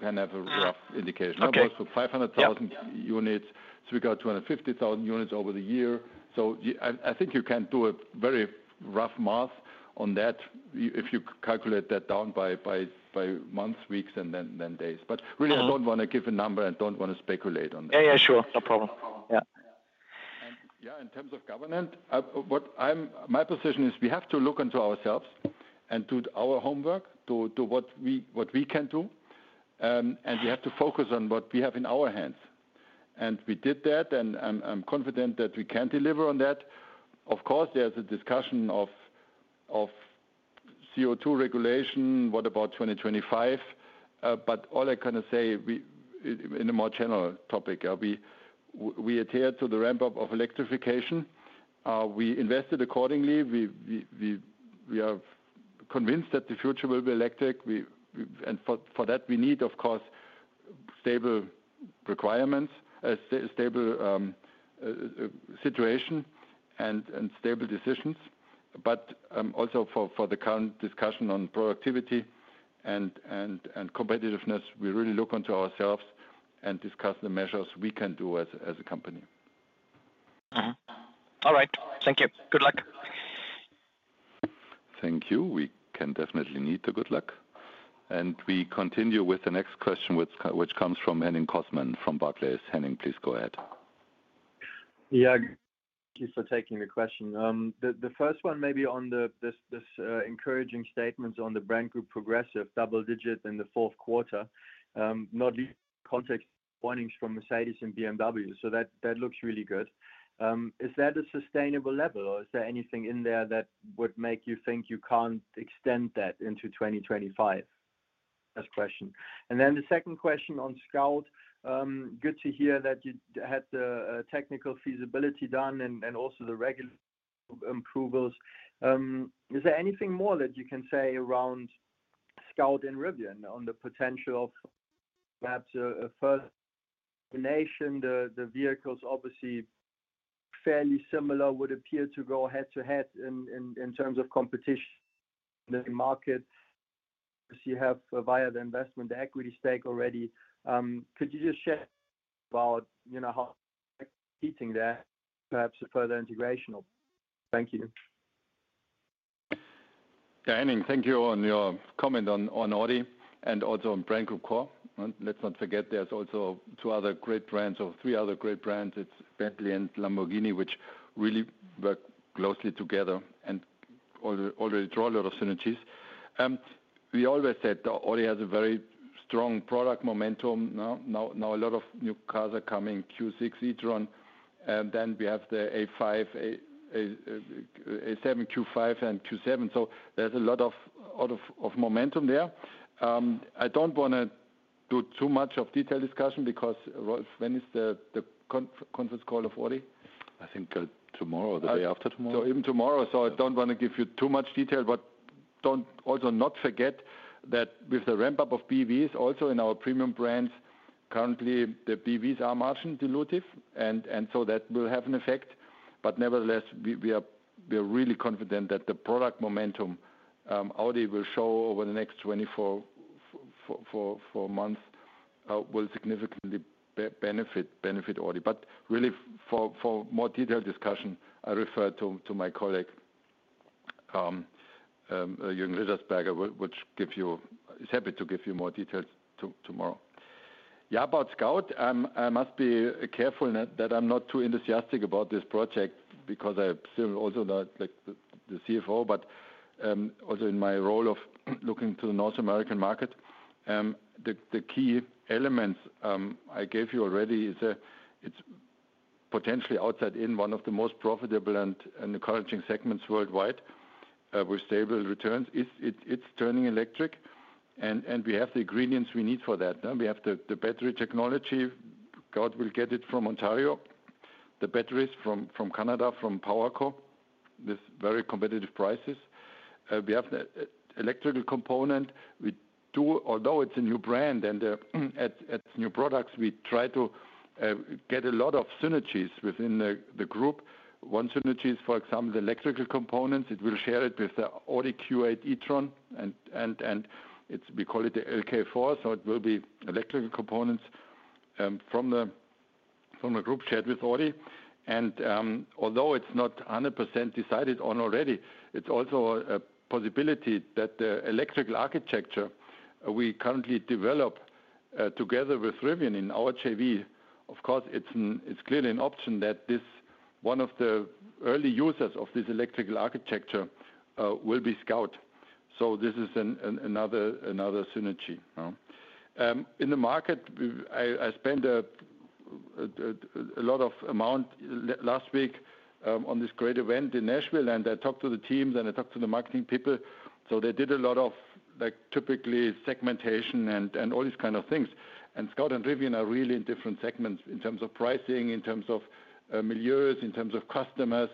have a rough indication. Of course, 500,000 units, Zwickau, 250,000 units over the year. So I think you can do a very rough math on that if you calculate that down by months, weeks, and then days. But really, I don't want to give a number and don't want to speculate on that. Yeah, yeah, sure. No problem. Yeah. Yeah, in terms of governance, my position is we have to look into ourselves and do our homework to what we can do, and we have to focus on what we have in our hands. We did that, and I'm confident that we can deliver on that. Of course, there's a discussion of CO2 regulation. What about 2025? But all I can say in a more general topic, we adhere to the ramp-up of electrification. We invested accordingly. We are convinced that the future will be electric. And for that, we need, of course, stable requirements, a stable situation, and stable decisions. But also for the current discussion on productivity and competitiveness, we really look onto ourselves and discuss the measures we can do as a company. All right. Thank you. Good luck. Thank you. We can definitely need the good luck. And we continue with the next question, which comes from Henning Cosman from Barclays. Henning, please go ahead. Yeah, thank you for taking the question. The first one may be on this encouraging statement on the Brand Group Progressive, double-digit in the fourth quarter, not least context warnings from Mercedes and BMW. So that looks really good. Is that a sustainable level, or is there anything in there that would make you think you can't extend that into 2025? That's the question. And then the second question on Scout, good to hear that you had the technical feasibility done and also the regular approvals. Is there anything more that you can say around Scout and Rivian on the potential of perhaps a further combination? The vehicles obviously fairly similar would appear to go head-to-head in terms of competition in the market. You have via the investment, the equity stake already. Could you just share about how you're competing there, perhaps a further integration? Thank you. Yeah, Henning, thank you on your comment on Audi and also on Brand Group Core. Let's not forget there's also two other great brands or three other great brands. It's Bentley and Lamborghini, which really work closely together and already draw a lot of synergies. We always said Audi has a very strong product momentum. Now a lot of new cars are coming, Q6 e-tron. Then we have the A7, Q5, and Q7. So there's a lot of momentum there. I don't want to do too much of detailed discussion because when is the conference call of Audi? I think tomorrow or the day after tomorrow. So even tomorrow. So I don't want to give you too much detail. But also not forget that with the ramp-up of BEVs, also in our premium brands, currently the BEVs are margin-dilutive. And so that will have an effect. But nevertheless, we are really confident that the product momentum Audi will show over the next 24 months will significantly benefit Audi. But really, for more detailed discussion, I refer to my colleague, Jürgen Rittersberger, which is happy to give you more details tomorrow. Yeah, about Scout, I must be careful that I'm not too enthusiastic about this project because I'm still also not the CFO. But also in my role of looking to the North American market, the key elements I gave you already is potentially outsized in one of the most profitable and encouraging segments worldwide with stable returns. It's turning electric, and we have the ingredients we need for that. We have the battery technology. We'll get it from Ontario. The batteries from Canada, from PowerCo, with very competitive prices. We have the electrical component. Although it's a new brand and it's new products, we try to get a lot of synergies within the group. One synergy is, for example, the electrical components. It will share it with the Audi Q8 e-tron. And we call it the LK4. So it will be electrical components from the group shared with Audi. And although it's not 100% decided on already, it's also a possibility that the electrical architecture we currently develop together with Rivian in our JV, of course, it's clearly an option that one of the early users of this electrical architecture will be Scout. So this is another synergy. In the market, I spent a lot of time last week on this great event in Nashville. And I talked to the team, and I talked to the marketing people. So they did a lot of typical segmentation and all these kinds of things. And Scout and Rivian are really in different segments in terms of pricing, in terms of milieus, in terms of customers.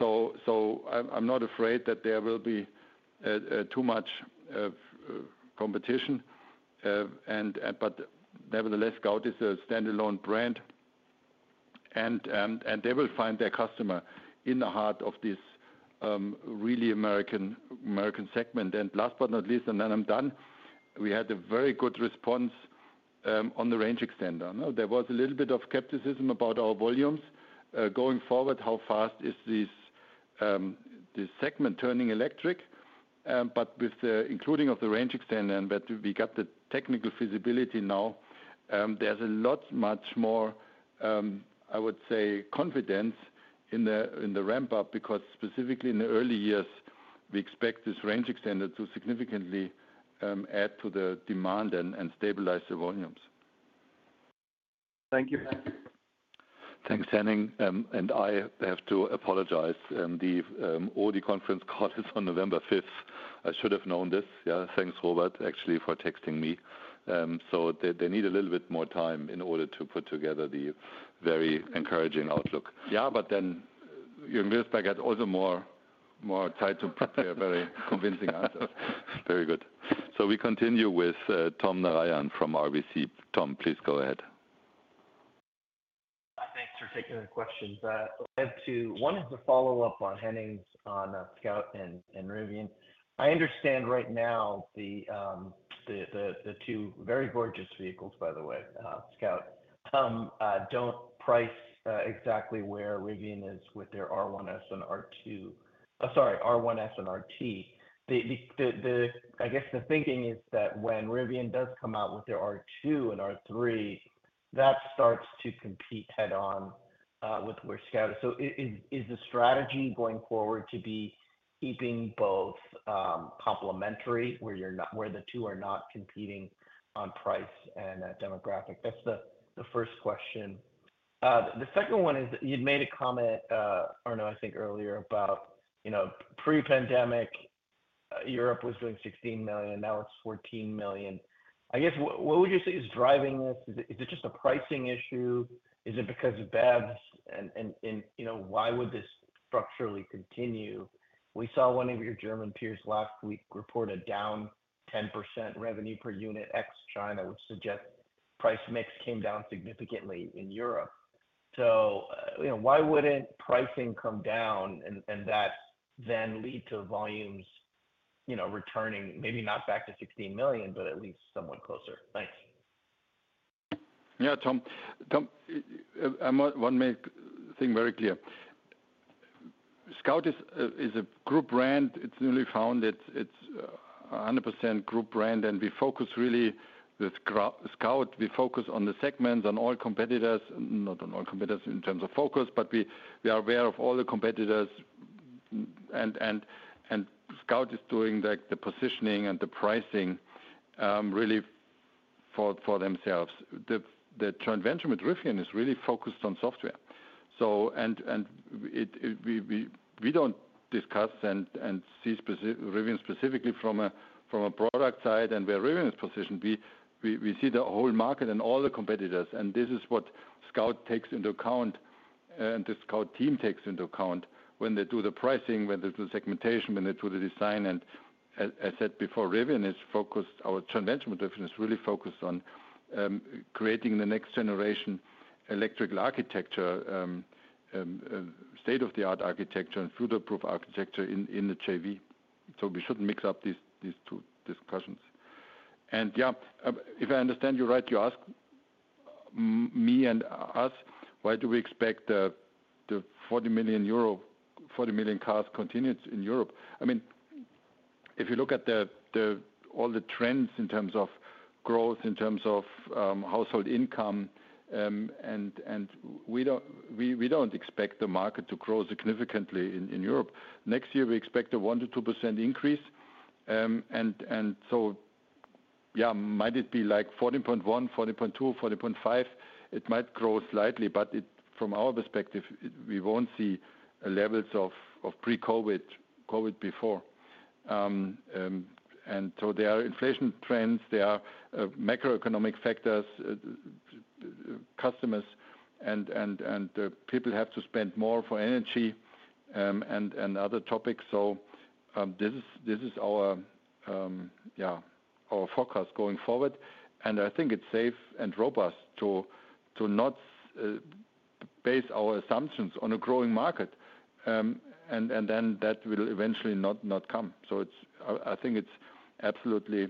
I'm not afraid that there will be too much competition. But nevertheless, Scout is a standalone brand. And they will find their customer in the heart of this really American segment. And last but not least, and then I'm done, we had a very good response on the range extender. There was a little bit of skepticism about our volumes. Going forward, how fast is this segment turning electric? But with the including of the range extender and that we got the technical feasibility now, there's a lot much more, I would say, confidence in the ramp-up because specifically in the early years, we expect this range extender to significantly add to the demand and stabilize the volumes. Thank you. Thanks, Henning. And I have to apologize. The Audi conference call is on November 5th. I should have known this. Yeah, thanks, Robert, actually, for texting me. So they need a little bit more time in order to put together the very encouraging outlook. Yeah, but then Jürgen Rittersberger had also more time to prepare very convincing answers. Very good. So we continue with Tom Narayan from RBC. Tom, please go ahead. Thanks for taking the questions. One is a follow-up on Henning's on Scout and Rivian. I understand right now the two very gorgeous vehicles, by the way, Scout, don't price exactly where Rivian is with their R1S and R1T. Sorry, R1S and R1T. I guess the thinking is that when Rivian does come out with their R2 and R3, that starts to compete head-on with where Scout is. So is the strategy going forward to be keeping both complementary where the two are not competing on price and demographics? That's the first question. The second one is you'd made a comment, or no, I think earlier about pre-pandemic, Europe was doing 16 million, now it's 14 million. I guess what would you say is driving this? Is it just a pricing issue? Is it because of BEVs? And why would this structurally continue? We saw one of your German peers last week report a down 10% revenue per unit ex-China, which suggests price mix came down significantly in Europe. So why wouldn't pricing come down and that then lead to volumes returning, maybe not back to 16 million, but at least somewhat closer? Thanks. Yeah, Tom. Tom, one thing very clear. Scout is a group brand. It's newly founded. It's 100% group brand. And we focus really with Scout, we focus on the segments, on all competitors. Not on all competitors in terms of focus, but we are aware of all the competitors. Scout is doing the positioning and the pricing really for themselves. The joint venture with Rivian is really focused on software. We don't discuss and see Rivian specifically from a product side and where Rivian is positioned. We see the whole market and all the competitors. This is what Scout takes into account and the Scout team takes into account when they do the pricing, when they do the segmentation, when they do the design. As I said before, Rivian is focused our joint venture with Rivian is really focused on creating the next generation electrical architecture, state-of-the-art architecture, and future-proof architecture in the JV. We shouldn't mix up these two discussions. Yeah, if I understand you right, you asked me and us, why do we expect the 14 million cars continued in Europe? I mean, if you look at all the trends in terms of growth, in terms of household income, and we don't expect the market to grow significantly in Europe. Next year, we expect a 1%-2% increase, and so yeah, might it be like 14.1, 14.2, 14.5? It might grow slightly, but from our perspective, we won't see levels of pre-COVID before, and so there are inflation trends, there are macroeconomic factors, customers, and people have to spend more for energy and other topics, so this is our forecast going forward, and I think it's safe and robust to not base our assumptions on a growing market, and then that will eventually not come, so I think it's absolutely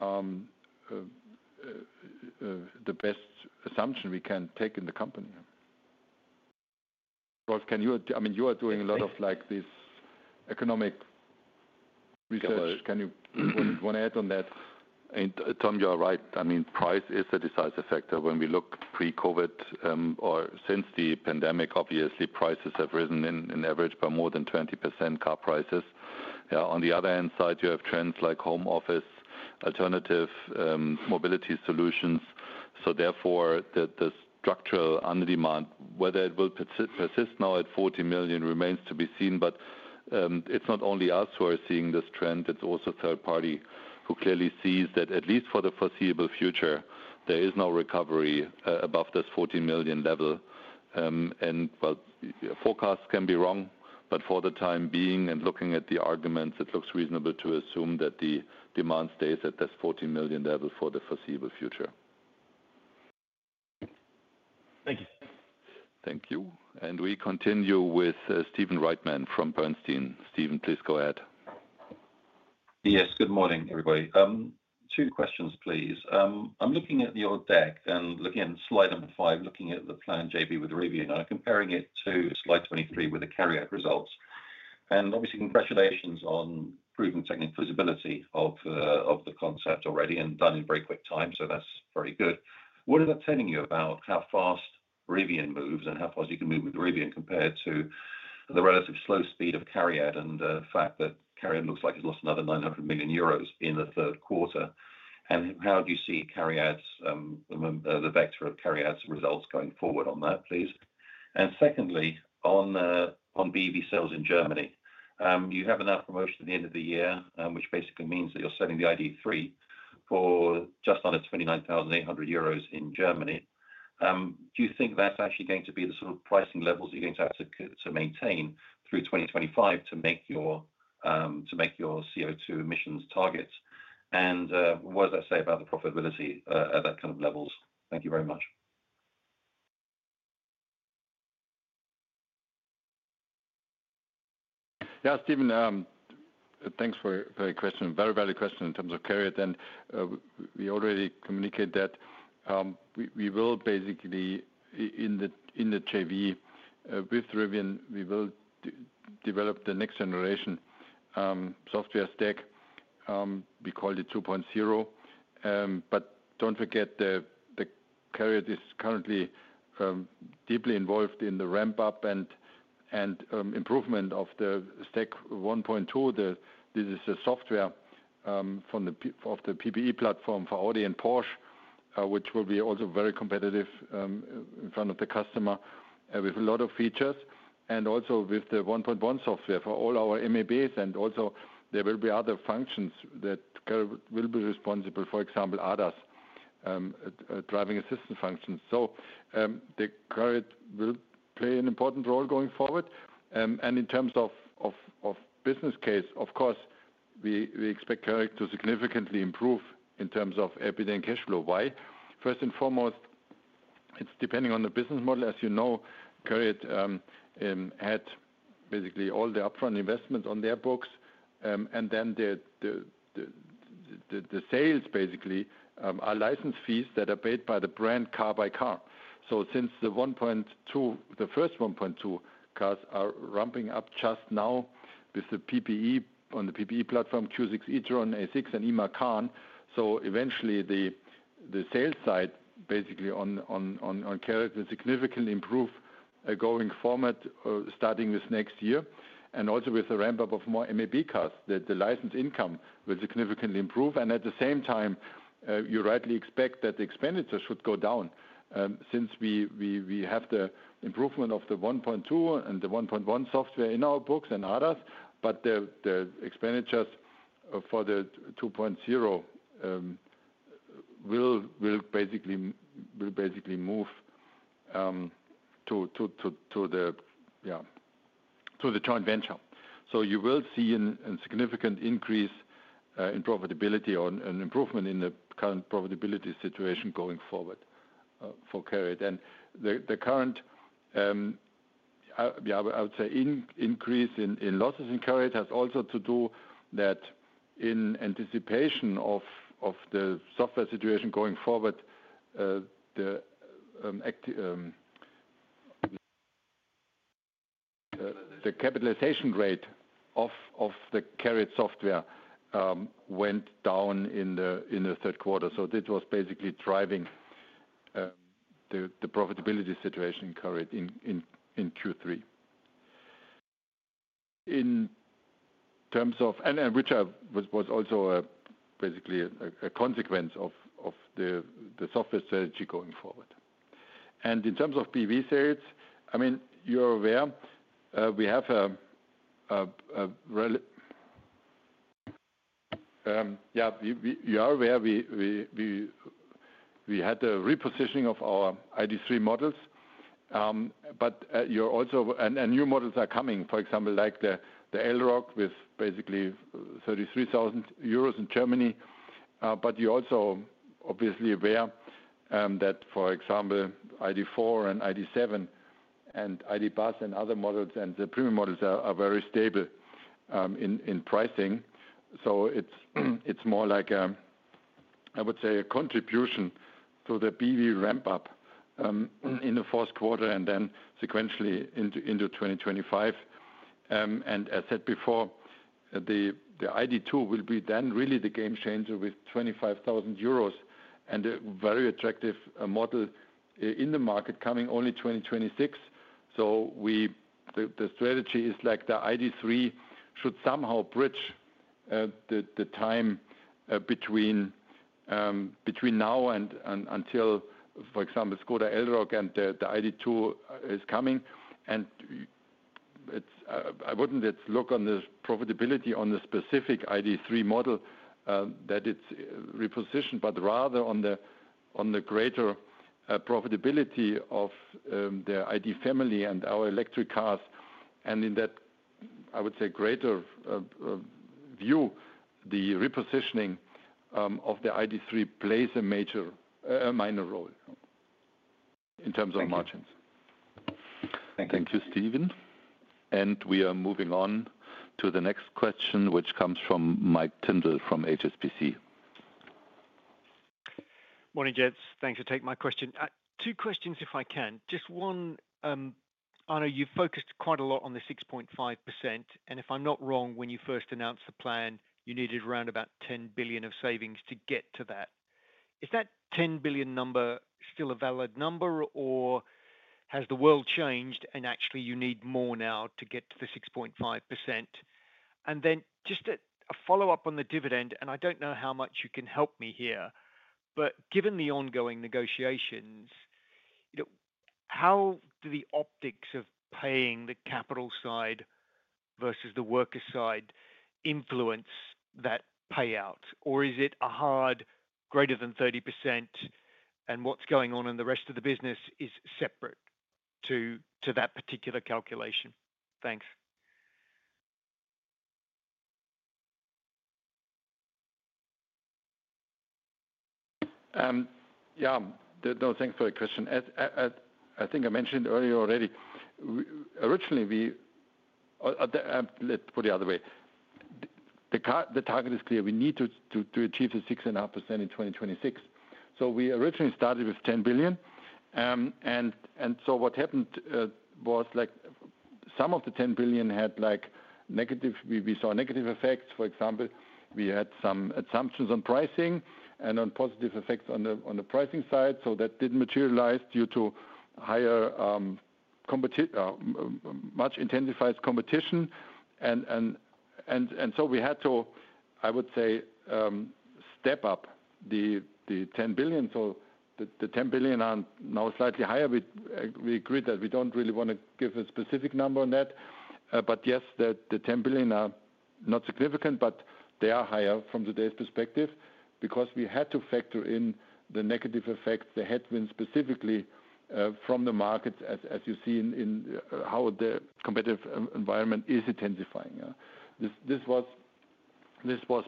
the best assumption we can take in the company. Rolf, I mean, you are doing a lot of this economic research. Do you want to add to that? Tom, you're right. I mean, price is a decisive factor. When we look pre-COVID or since the pandemic, obviously, prices have risen in average by more than 20%, car prices. Yeah. On the other hand side, you have trends like home office, alternative mobility solutions. So therefore, the structural under-demand, whether it will persist now at 14 million, remains to be seen. But it's not only us who are seeing this trend. It's also third party who clearly sees that at least for the foreseeable future, there is no recovery above this 14 million level. And forecasts can be wrong, but for the time being and looking at the arguments, it looks reasonable to assume that the demand stays at this 14 million level for the foreseeable future. Thank you. Thank you. And we continue with Stephen Reitman from Bernstein. Stephen, please go ahead. Yes, good morning, everybody. Two questions, please. I'm looking at your deck and looking at slide number five, looking at the plan JV with Rivian and comparing it to slide 23 with the CARIAD results. And obviously, congratulations on proving technical feasibility of the concept already and done in very quick time. So that's very good. What is that telling you about how fast Rivian moves and how fast you can move with Rivian compared to the relative slow speed of CARIAD and the fact that CARIAD looks like it's lost another 900 million euros in the third quarter? And how do you see the vector of CARIAD results going forward on that, please? And secondly, on BEV sales in Germany, you have enough promotion at the end of the year, which basically means that you're selling the ID.3 for just under 29,800 euros in Germany. Do you think that's actually going to be the sort of pricing levels you're going to have to maintain through 2025 to make your CO2 emissions targets? And what does that say about the profitability at that kind of levels? Thank you very much. Yeah, Stephen, thanks for the question. Very, very good question in terms of CARIAD. And we already communicated that we will basically in the JV with Rivian, we will develop the next generation software stack. We call it 2.0. But don't forget, the CARIAD is currently deeply involved in the ramp-up and improvement of the stack 1.2. This is a software from the PPE platform for Audi and Porsche, which will be also very competitive in front of the customer with a lot of features. And also with the 1.1 software for all our MEBs. And also there will be other functions that will be responsible, for example, ADAS, driving assistance functions. So the CARIAD will play an important role going forward. And in terms of business case, of course, we expect CARIAD to significantly improve in terms of EBITDA and cash flow. Why? First and foremost, it's depending on the business model. As you know, CARIAD had basically all the upfront investments on their books. And then the sales basically are license fees that are paid by the brand car by car. So since the first three cars are ramping up just now with the PPE on the PPE platform, Q6 e-tron, A6 e-tron, and Macan. So eventually, the sales side basically on CARIAD will significantly improve going forward starting this next year. And also with the ramp-up of more MEB cars, the license income will significantly improve. And at the same time, you rightly expect that the expenditure should go down since we have the improvement of the 1.2 and the 1.1 software in our books and ADAS. But the expenditures for the 2.0 will basically move to the joint venture. So you will see a significant increase in profitability and improvement in the current profitability situation going forward for CARIAD. And the current, I would say, increase in losses in CARIAD has also to do that in anticipation of the software situation going forward, the capitalization rate of the CARIAD software went down in the third quarter. So this was basically driving the profitability situation in CARIAD in Q3. In terms of, and which was also basically a consequence of the software strategy going forward. In terms of PPE sales, I mean, you're aware we had a repositioning of our ID.3 models. But you're also, and new models are coming, for example, like the Elroq with basically 33,000 euros in Germany. But you're also obviously aware that, for example, ID.4 and ID.7 and ID. Buzz and other models and the premium models are very stable in pricing. So it's more like, I would say, a contribution to the BEV ramp-up in the fourth quarter and then sequentially into 2025. And as I said before, the ID.2 will be then really the game changer with 25,000 euros and a very attractive model in the market coming only 2026. So the strategy is like the ID.3 should somehow bridge the time between now and until, for example, Škoda Elroq and the ID.2 is coming. I wouldn't just look on the profitability on the specific ID.3 model that it's repositioned, but rather on the greater profitability of the ID family and our electric cars. In that, I would say, greater view, the repositioning of the ID.3 plays a minor role in terms of margins. Thank you, Steven. We are moving on to the next question, which comes from Mike Tyndall from HSBC. Morning, Arno. Thanks for taking my question. Two questions if I can. Just one, Arno, you've focused quite a lot on the 6.5%. If I'm not wrong, when you first announced the plan, you needed around about 10 billion of savings to get to that. Is that 10 billion number still a valid number, or has the world changed and actually you need more now to get to the 6.5%? And then just a follow-up on the dividend, and I don't know how much you can help me here, but given the ongoing negotiations, how do the optics of paying the capital side versus the worker side influence that payout? Or is it a hard greater than 30% and what's going on in the rest of the business is separate to that particular calculation? Thanks. Yeah, no, thanks for the question. I think I mentioned earlier already. Originally, let's put it the other way. The target is clear. We need to achieve the 6.5% in 2026. So we originally started with 10 billion. And so what happened was some of the 10 billion had negative effects. For example, we had some assumptions on pricing and on positive effects on the pricing side. So that didn't materialize due to much intensified competition. And so we had to, I would say, step up the 10 billion. So the 10 billion are now slightly higher. We agreed that we don't really want to give a specific number on that. But yes, the 10 billion are not significant, but they are higher from today's perspective because we had to factor in the negative effects that had been specifically from the markets, as you see in how the competitive environment is intensifying. This was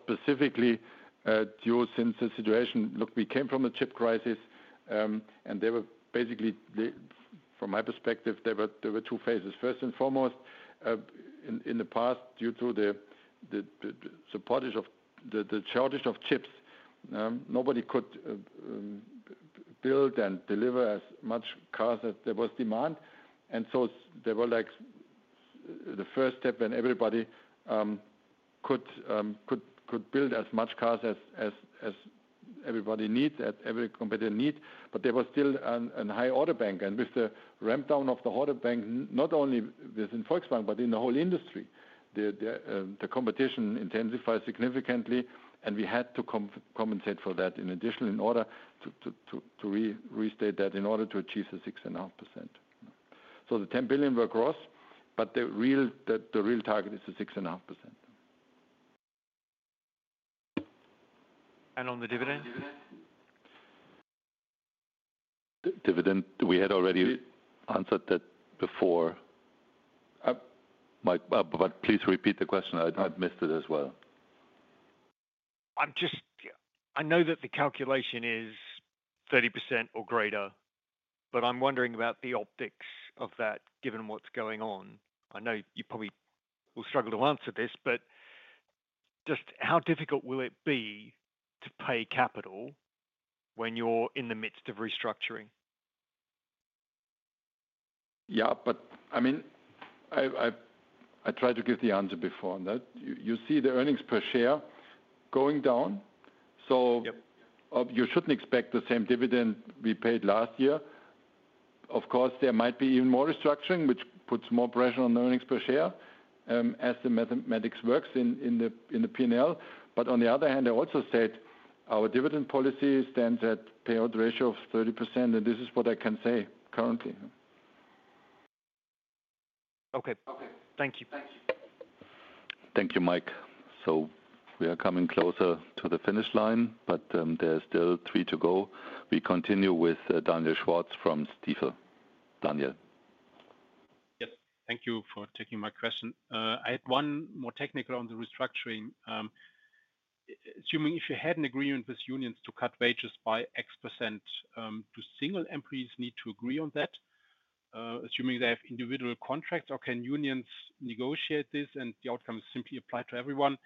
specifically due to the situation. Look, we came from a chip crisis, and there were basically, from my perspective, there were two phases. First and foremost, in the past, due to the shortage of chips, nobody could build and deliver as much cars as there was demand. And so there were the first step when everybody could build as much cars as everybody needs, as every competitor needs. But there was still a high order bank. And with the ramp-down of the order bank, not only within Volkswagen, but in the whole industry, the competition intensified significantly, and we had to compensate for that in addition in order to restate that in order to achieve the 6.5%. So the 10 billion were gross, but the real target is the 6.5%. And on the dividend? Dividend, we had already answered that before. But please repeat the question. I've missed it as well. I know that the calculation is 30% or greater, but I'm wondering about the optics of that given what's going on. I know you probably will struggle to answer this, but just how difficult will it be to pay capital when you're in the midst of restructuring? Yeah, but I mean, I tried to give the answer before on that. You see the earnings per share going down. So you shouldn't expect the same dividend we paid last year. Of course, there might be even more restructuring, which puts more pressure on the earnings per share as the mathematics works in the P&L. But on the other hand, I also said our dividend policy stands at payout ratio of 30%, and this is what I can say currently. Okay. Thank you. Thank you, Mike. So we are coming closer to the finish line, but there are still three to go. We continue with Daniel Schwarz from Stifel. Daniel. Yes, thank you for taking my question. I had one more technical on the restructuring. Assuming if you had an agreement with unions to cut wages by X%, do single employees need to agree on that? Assuming they have individual contracts, or can unions negotiate this and the outcome is simply applied to everyone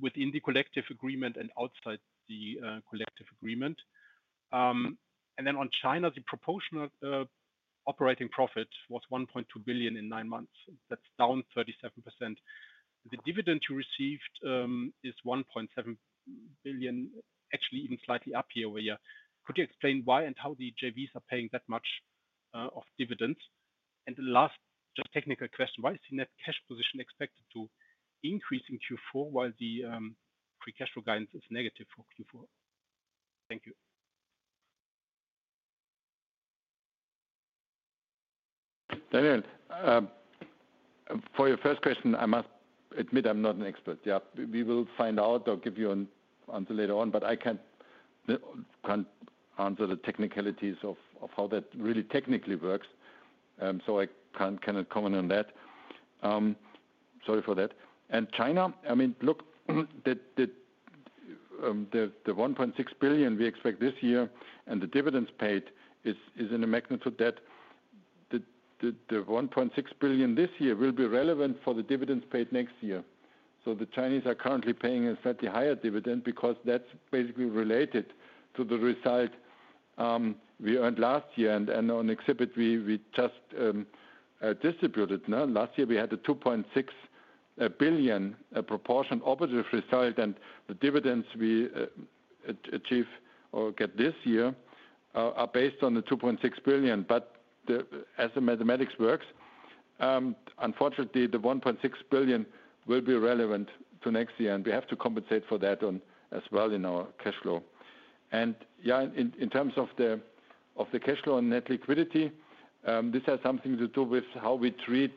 within the collective agreement and outside the collective agreement? And then on China, the proportional operating profit was 1.2 billion in nine months. That's down 37%. The dividend you received is 1.7 billion, actually even slightly up year over year. Could you explain why and how the JVs are paying that much of dividends? And last, just technical question, why is the net cash position expected to increase in Q4 while the free cash flow guidance is negative for Q4? Thank you. Daniel, for your first question, I must admit I'm not an expert. Yeah, we will find out or give you an answer later on, but I can't answer the technicalities of how that really technically works. So I cannot comment on that. Sorry for that. China, I mean, look, the 1.6 billion we expect this year and the dividends paid is in a magnitude that the 1.6 billion this year will be relevant for the dividends paid next year. The Chinese are currently paying a slightly higher dividend because that's basically related to the result we earned last year. And on the EBIT, we just distributed. Last year, we had a 2.6 billion proportion operative result, and the dividends we achieve or get this year are based on the 2.6 billion. But as the mathematics works, unfortunately, the 1.6 billion will be relevant to next year, and we have to compensate for that as well in our cash flow. Yeah, in terms of the cash flow and net liquidity, this has something to do with how we treat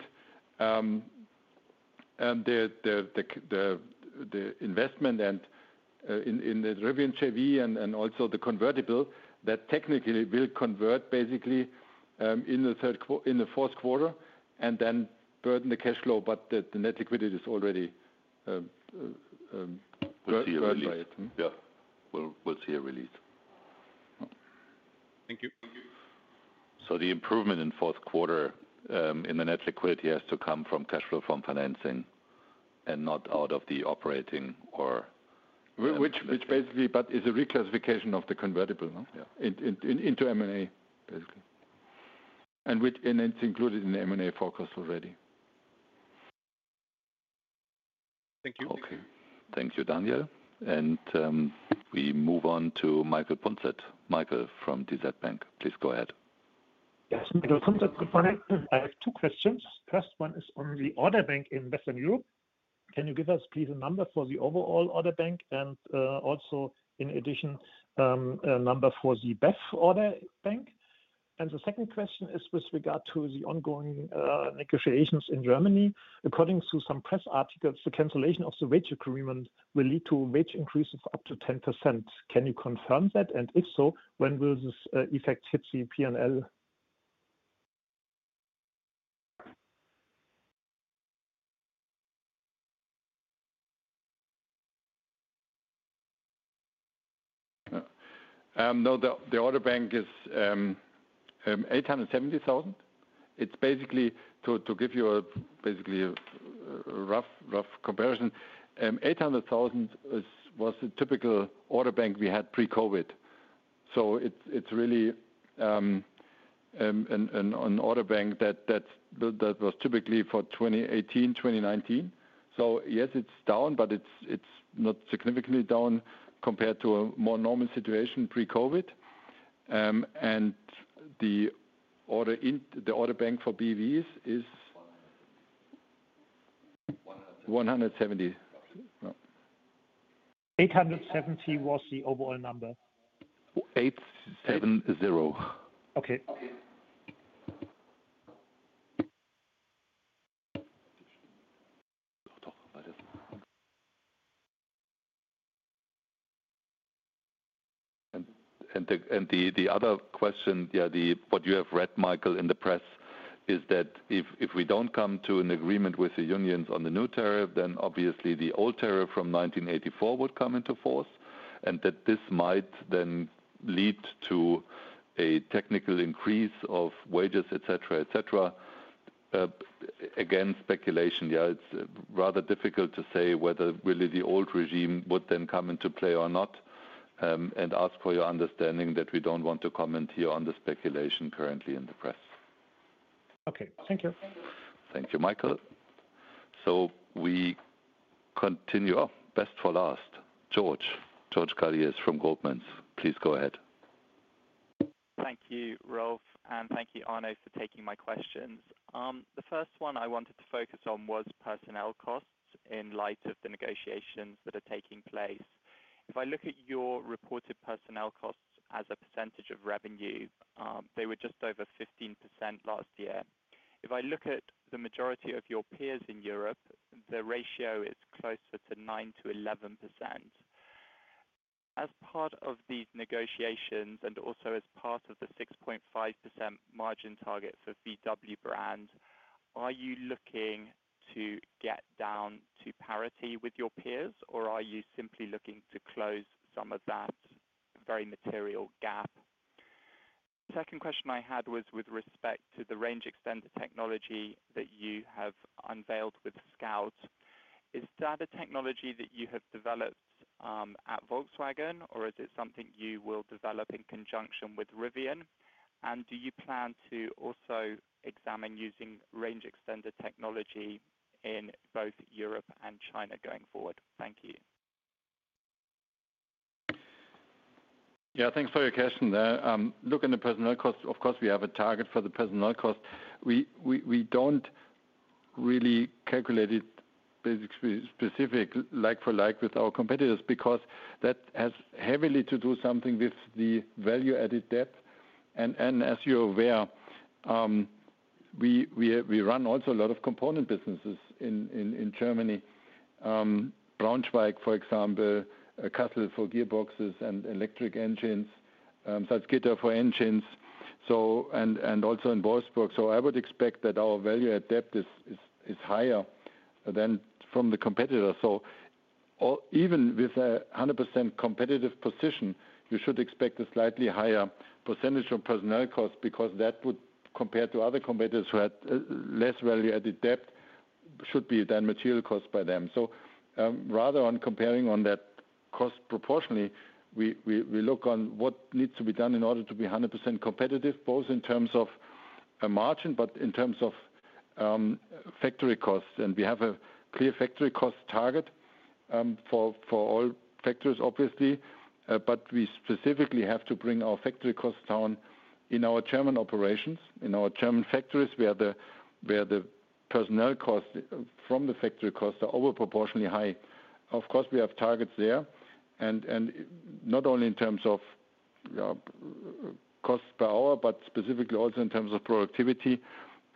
the investment and in the Rivian JV and also the convertible that technically will convert basically in the fourth quarter and then burden the cash flow, but the net liquidity is already burdened by it. Yeah, we'll see a release. Thank you. So the improvement in fourth quarter in the net liquidity has to come from cash flow from financing and not out of the operating or. Which basically is a reclassification of the convertible into M&A, basically. It's included in the M&A focus already. Thank you. Okay. Thank you, Daniel. We move on to Michael Punzet. Michael from DZ Bank. Please go ahead. Yes, Michael Punzet, good morning. I have two questions. First one is on the order bank in Western Europe. Can you give us, please, a number for the overall order bank and also, in addition, a number for the BEV order bank? And the second question is with regard to the ongoing negotiations in Germany. According to some press articles, the cancellation of the wage agreement will lead to wage increase of up to 10%. Can you confirm that? And if so, when will this effect hit the P&L? No, the order bank is 870,000. It's basically, to give you a basically rough comparison, 800,000 was the typical order bank we had pre-COVID. So it's really an order bank that was typically for 2018, 2019. So yes, it's down, but it's not significantly down compared to a more normal situation pre-COVID. And the order bank for BEVs is 170. 170. 870 was the overall number. 870. Okay. The other question, yeah, what you have read, Michael, in the press is that if we don't come to an agreement with the unions on the new tariff, then obviously the old tariff from 1984 would come into force and that this might then lead to a technical increase of wages, etc., etc. Again, speculation. Yeah, it's rather difficult to say whether really the old regime would then come into play or not. And ask for your understanding that we don't want to comment here on the speculation currently in the press. Okay. Thank you. Thank you, Michael. So we continue up. Best for last. George. George Galliers from Goldman Sachs. Please go ahead. Thank you, Rolf, and thank you, Arno, for taking my questions. The first one I wanted to focus on was personnel costs in light of the negotiations that are taking place. If I look at your reported personnel costs as a percentage of revenue, they were just over 15% last year. If I look at the majority of your peers in Europe, the ratio is closer to 9%-11%. As part of these negotiations and also as part of the 6.5% margin target for VW brand, are you looking to get down to parity with your peers, or are you simply looking to close some of that very material gap? Second question I had was with respect to the range extender technology that you have unveiled with Scout. Is that a technology that you have developed at Volkswagen, or is it something you will develop in conjunction with Rivian? And do you plan to also examine using range extender technology in both Europe and China going forward? Thank you. Yeah, thanks for your question there. Looking at the personnel cost, of course, we have a target for the personnel cost. We don't really calculate it specifically like for like with our competitors because that has heavily to do something with the value-added depth, and as you're aware, we run also a lot of component businesses in Germany. Braunschweig, for example, Kassel for gearboxes and electric engines, Salzgitter for engines, and also in Wolfsburg, so I would expect that our value-added depth is higher than from the competitor, so even with a 100% competitive position, you should expect a slightly higher percentage of personnel cost because that would, compared to other competitors who had less value-added depth, should be a material cost by them. So rather than comparing on that cost proportionally, we look on what needs to be done in order to be 100% competitive, both in terms of margin, but in terms of factory costs. And we have a clear factory cost target for all factories, obviously, but we specifically have to bring our factory costs down in our German operations, in our German factories where the personnel costs from the factory costs are disproportionately high. Of course, we have targets there, and not only in terms of costs per hour, but specifically also in terms of productivity.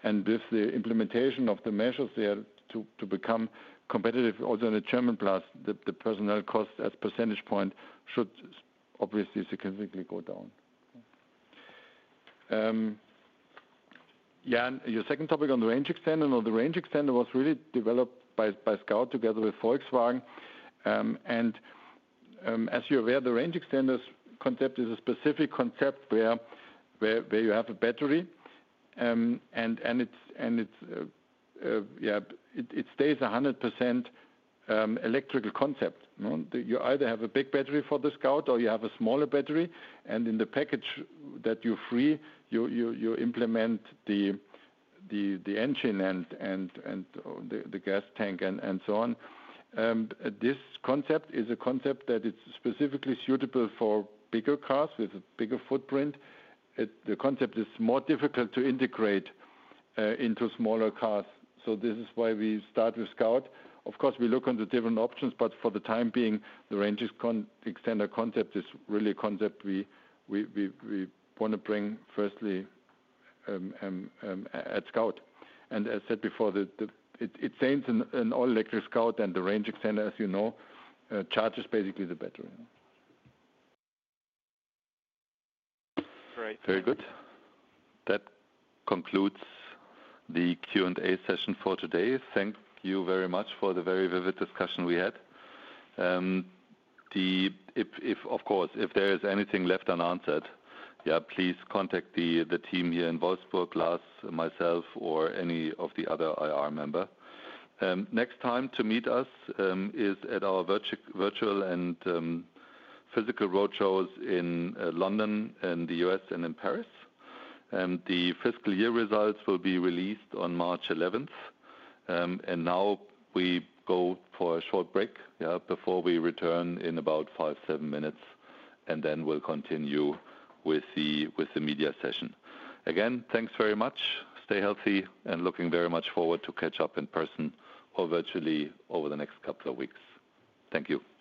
And with the implementation of the measures there to become competitive also in the German plants, the personnel costs as a percentage point should obviously significantly go down. Yeah, and your second topic on the range extender, no, the range extender was really developed by Scout together with Volkswagen. As you're aware, the range extender's concept is a specific concept where you have a battery, and it stays 100% electrical concept. You either have a big battery for the Scout or you have a smaller battery. In the package that you free, you implement the engine and the gas tank and so on. This concept is a concept that is specifically suitable for bigger cars with a bigger footprint. The concept is more difficult to integrate into smaller cars. This is why we start with Scout. Of course, we look on the different options, but for the time being, the range extender concept is really a concept we want to bring firstly at Scout. As said before, it's an all-electric Scout, and the range extender, as you know, charges basically the battery. Great. Very good. That concludes the Q&A session for today. Thank you very much for the very vivid discussion we had. Of course, if there is anything left unanswered, yeah, please contact the team here in Wolfsburg, Lars, myself, or any of the other IR members. Next time to meet us is at our virtual and physical roadshows in London and the US and in Paris. The fiscal year results will be released on March 11th, and now we go for a short break, yeah, before we return in about five, seven minutes, and then we'll continue with the media session. Again, thanks very much. Stay healthy and looking very much forward to catch up in person or virtually over the next couple of weeks. Thank you.